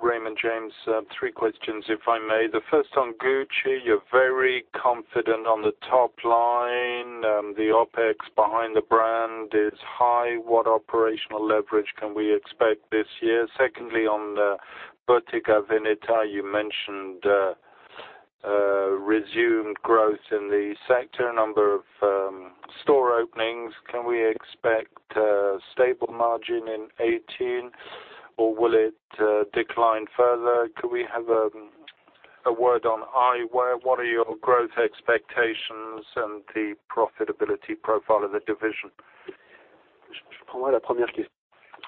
Raymond James. 3 questions, if I may. The first on Gucci. You're very confident on the top line. The OpEx behind the brand is high. What operational leverage can we expect this year? Secondly, on Bottega Veneta, you mentioned resumed growth in the sector, a number of store openings. Can we expect a stable margin in 2018, or will it decline further? Could we have a word on eyewear? What are your growth expectations and the profitability profile of the division?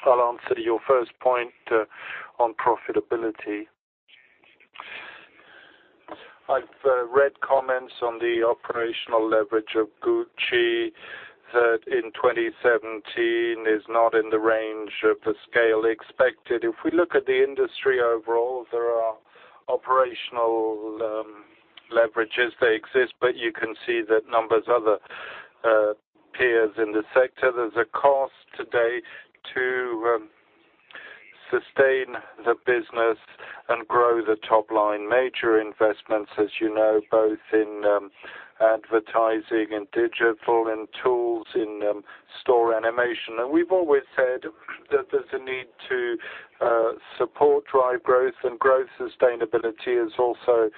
I'll answer your first point on profitability. I've read comments on the operational leverage of Gucci, that in 2017 is not in the range of the scale expected. If we look at the industry overall, there are operational leverages. They exist, but you can see the numbers of other peers in the sector. There's a cost today to sustain the business and grow the top line. Major investments, as you know, both in advertising, in digital, in tools, in store animation. We've always said that there's a need to support drive growth, and growth sustainability is also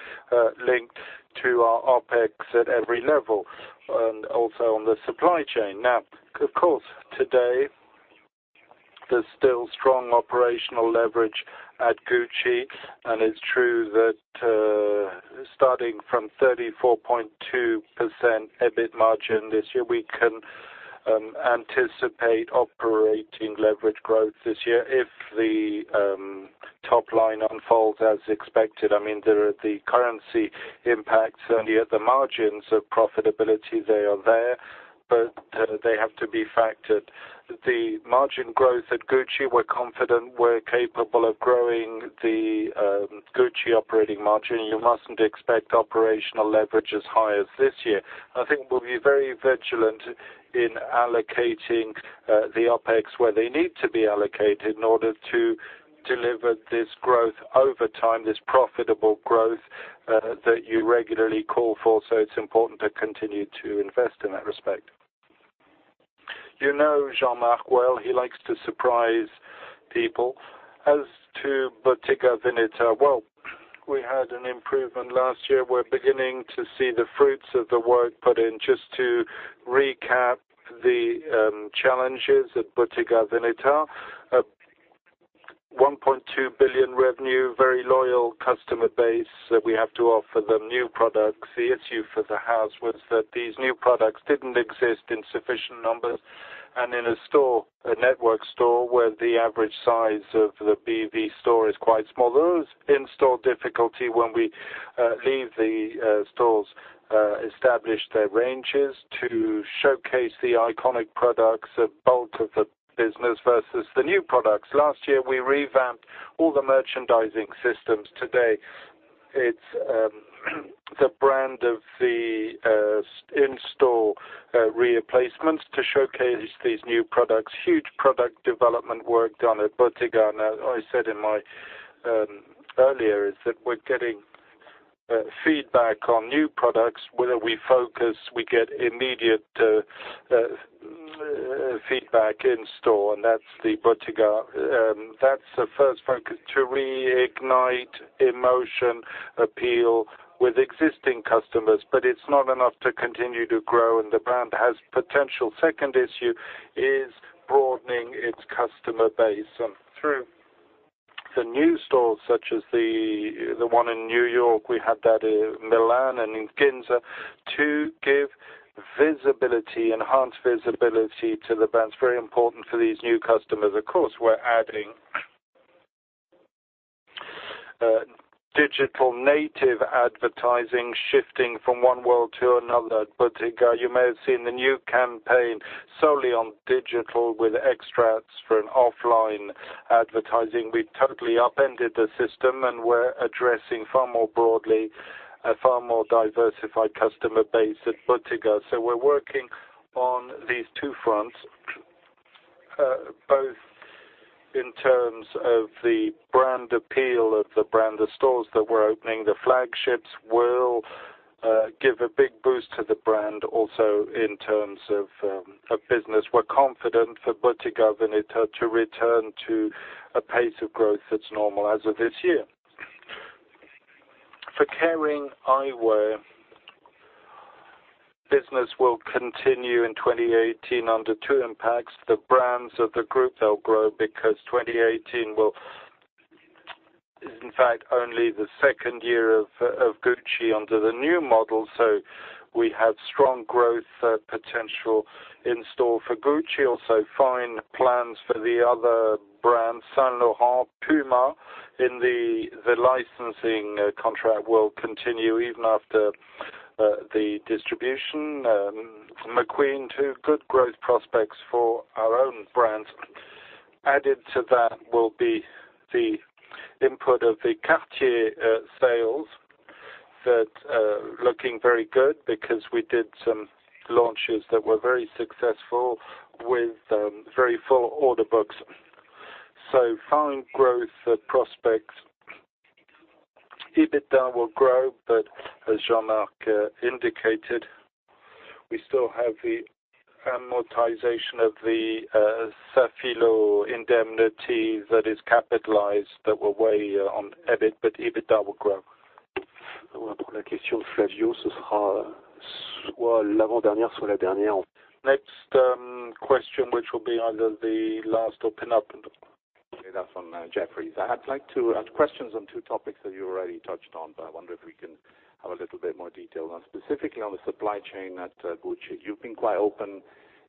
linked to our OpEx at every level, and also on the supply chain. Now, of course, today, there's still strong operational leverage at Gucci, and it's true that starting from 34.2% EBIT margin this year, we can anticipate operating leverage growth this year if the top line unfolds as expected. There are the currency impacts, and at the margins of profitability, they are there, but they have to be factored. The margin growth at Gucci, we're confident we're capable of growing the Gucci operating margin. You mustn't expect operational leverage as high as this year. I think we'll be very vigilant in allocating the OpEx where they need to be allocated in order to deliver this growth over time, this profitable growth that you regularly call for. It's important to continue to invest in that respect. You know Jean-Marc well. He likes to surprise people. As to Bottega Veneta, well, we had an improvement last year. We're beginning to see the fruits of the work put in. Just to recap the challenges at Bottega Veneta. 1.2 billion revenue, very loyal customer base that we have to offer them new products. The issue for the house was that these new products didn't exist in sufficient numbers, and in a network store where the average size of the BV store is quite small. There was in-store difficulty when we leave the stores, establish their ranges to showcase the iconic products, the bulk of the business versus the new products. Last year, we revamped all the merchandising systems. Today, it's the brand of the in-store replacements to showcase these new products. Huge product development work done at Bottega. Now, I said earlier, is that we're getting feedback on new products. Where we focus, we get immediate feedback in store, and that's the Bottega. That's the first focus, to reignite emotion appeal with existing customers. It's not enough to continue to grow, and the brand has potential. Second issue is broadening its customer base through the new stores, such as the one in New York, we had that in Milan and in Ginza, to give enhanced visibility to the brands. Very important for these new customers. Of course, we're adding digital native advertising, shifting from one world to another. Bottega, you may have seen the new campaign solely on digital with extracts for an offline advertising. We've totally upended the system. We're addressing far more broadly, a far more diversified customer base at Bottega. We're working on these two fronts, both in terms of the brand appeal of the brand. The stores that we're opening, the flagships, will give a big boost to the brand also in terms of business. We're confident for Bottega Veneta to return to a pace of growth that's normal as of this year. For Kering Eyewear, business will continue in 2018 under two impacts. The brands of the group, they'll grow because 2018 is, in fact, only the second year of Gucci under the new model. We have strong growth potential in store for Gucci. Also fine plans for the other brands, Saint Laurent, Puma, in the licensing contract will continue even after the distribution from McQueen to good growth prospects for our own brands. Added to that will be the input of the Cartier sales that are looking very good because we did some launches that were very successful with very full order books. Fine growth prospects. EBITDA will grow. As Jean-Marc indicated, we still have the amortization of the Safilo indemnity that is capitalized that will weigh on EBIT. EBITDA will grow. Next question, which will be either the last open up. That's from Jefferies. I'd like to ask questions on two topics that you already touched on, but I wonder if we can have a little bit more detail on, specifically on the supply chain at Gucci. You've been quite open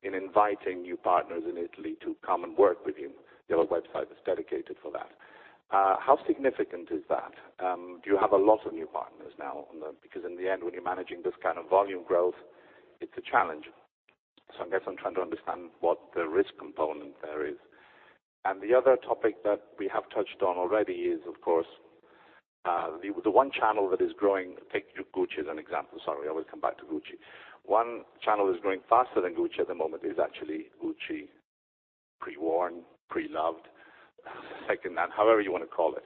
in inviting new partners in Italy to come and work with you. You have a website that's dedicated for that. How significant is that? Do you have a lot of new partners now on them? Because in the end, when you're managing this kind of volume growth, it's a challenge. I guess I'm trying to understand what the risk component there is. The other topic that we have touched on already is, of course, the one channel that is growing. Take Gucci as an example. Sorry, I always come back to Gucci. One channel that is growing faster than Gucci at the moment is actually Gucci pre-worn, pre-loved, secondhand, however you want to call it.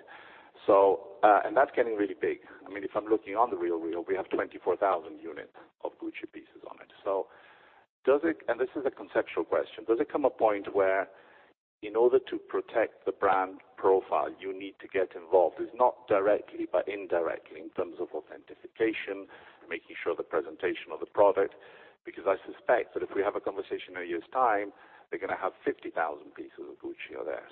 That's getting really big. If I'm looking on The RealReal, we have 24,000 units of Gucci pieces on it. This is a conceptual question. Does it come a point where, in order to protect the brand profile, you need to get involved, if not directly, but indirectly, in terms of authentication, making sure the presentation of the product? Because I suspect that if we have a conversation a year's time, they're going to have 50,000 pieces of Gucci on there.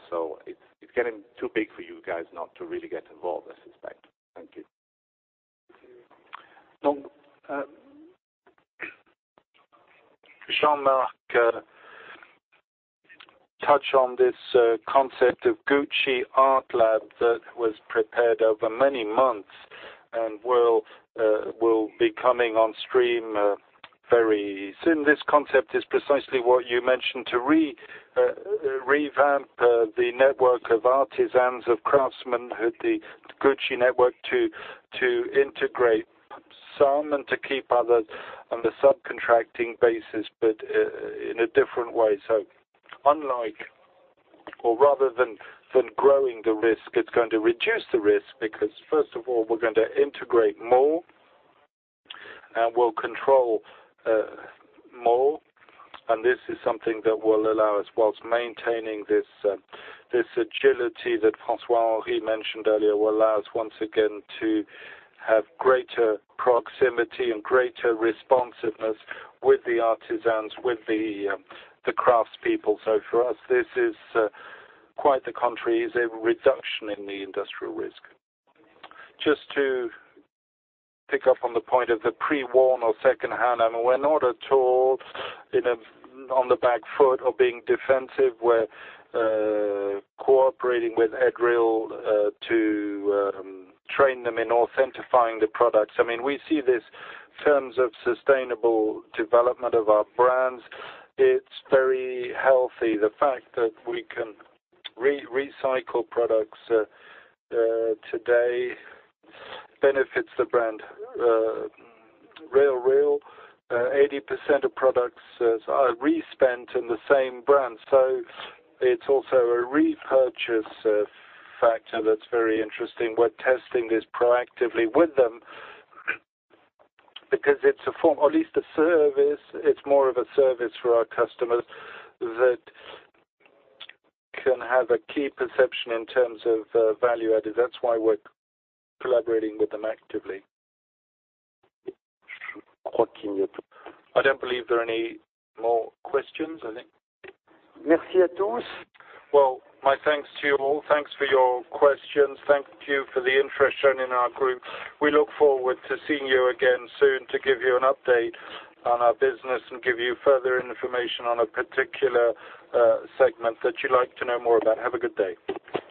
It's getting too big for you guys not to really get involved, I suspect. Thank you. Jean-Marc touched on this concept of Gucci ArtLab that was prepared over many months and will be coming on stream very soon. This concept is precisely what you mentioned to revamp the network of artisans, of craftsmanship, the Gucci network, to integrate some and to keep others on the subcontracting basis, but in a different way. Rather than growing the risk, it's going to reduce the risk because first of all, we're going to integrate more, and we'll control more. This is something that will allow us, whilst maintaining this agility that François-Henri mentioned earlier, will allow us, once again, to have greater proximity and greater responsiveness with the artisans, with the craftspeople. For us, this is quite the contrary. It's a reduction in the industrial risk. Just to pick up on the point of the pre-worn or secondhand, we're not at all on the back foot or being defensive. We're cooperating with [inaudible] to train them in authenticating the products. We see this in terms of sustainable development of our brands. It's very healthy. The fact that we can recycle products today benefits the brand. The RealReal, 80% of products are re-spent in the same brand. It's also a repurchase factor that's very interesting. We're testing this proactively with them because it's a form, or at least a service. It's more of a service for our customers that can have a key perception in terms of value added. That's why we're collaborating with them actively. I don't believe there are any more questions, I think. Well, my thanks to you all. Thanks for your questions. Thank you for the interest shown in our group. We look forward to seeing you again soon to give you an update on our business and give you further information on a particular segment that you'd like to know more about. Have a good day.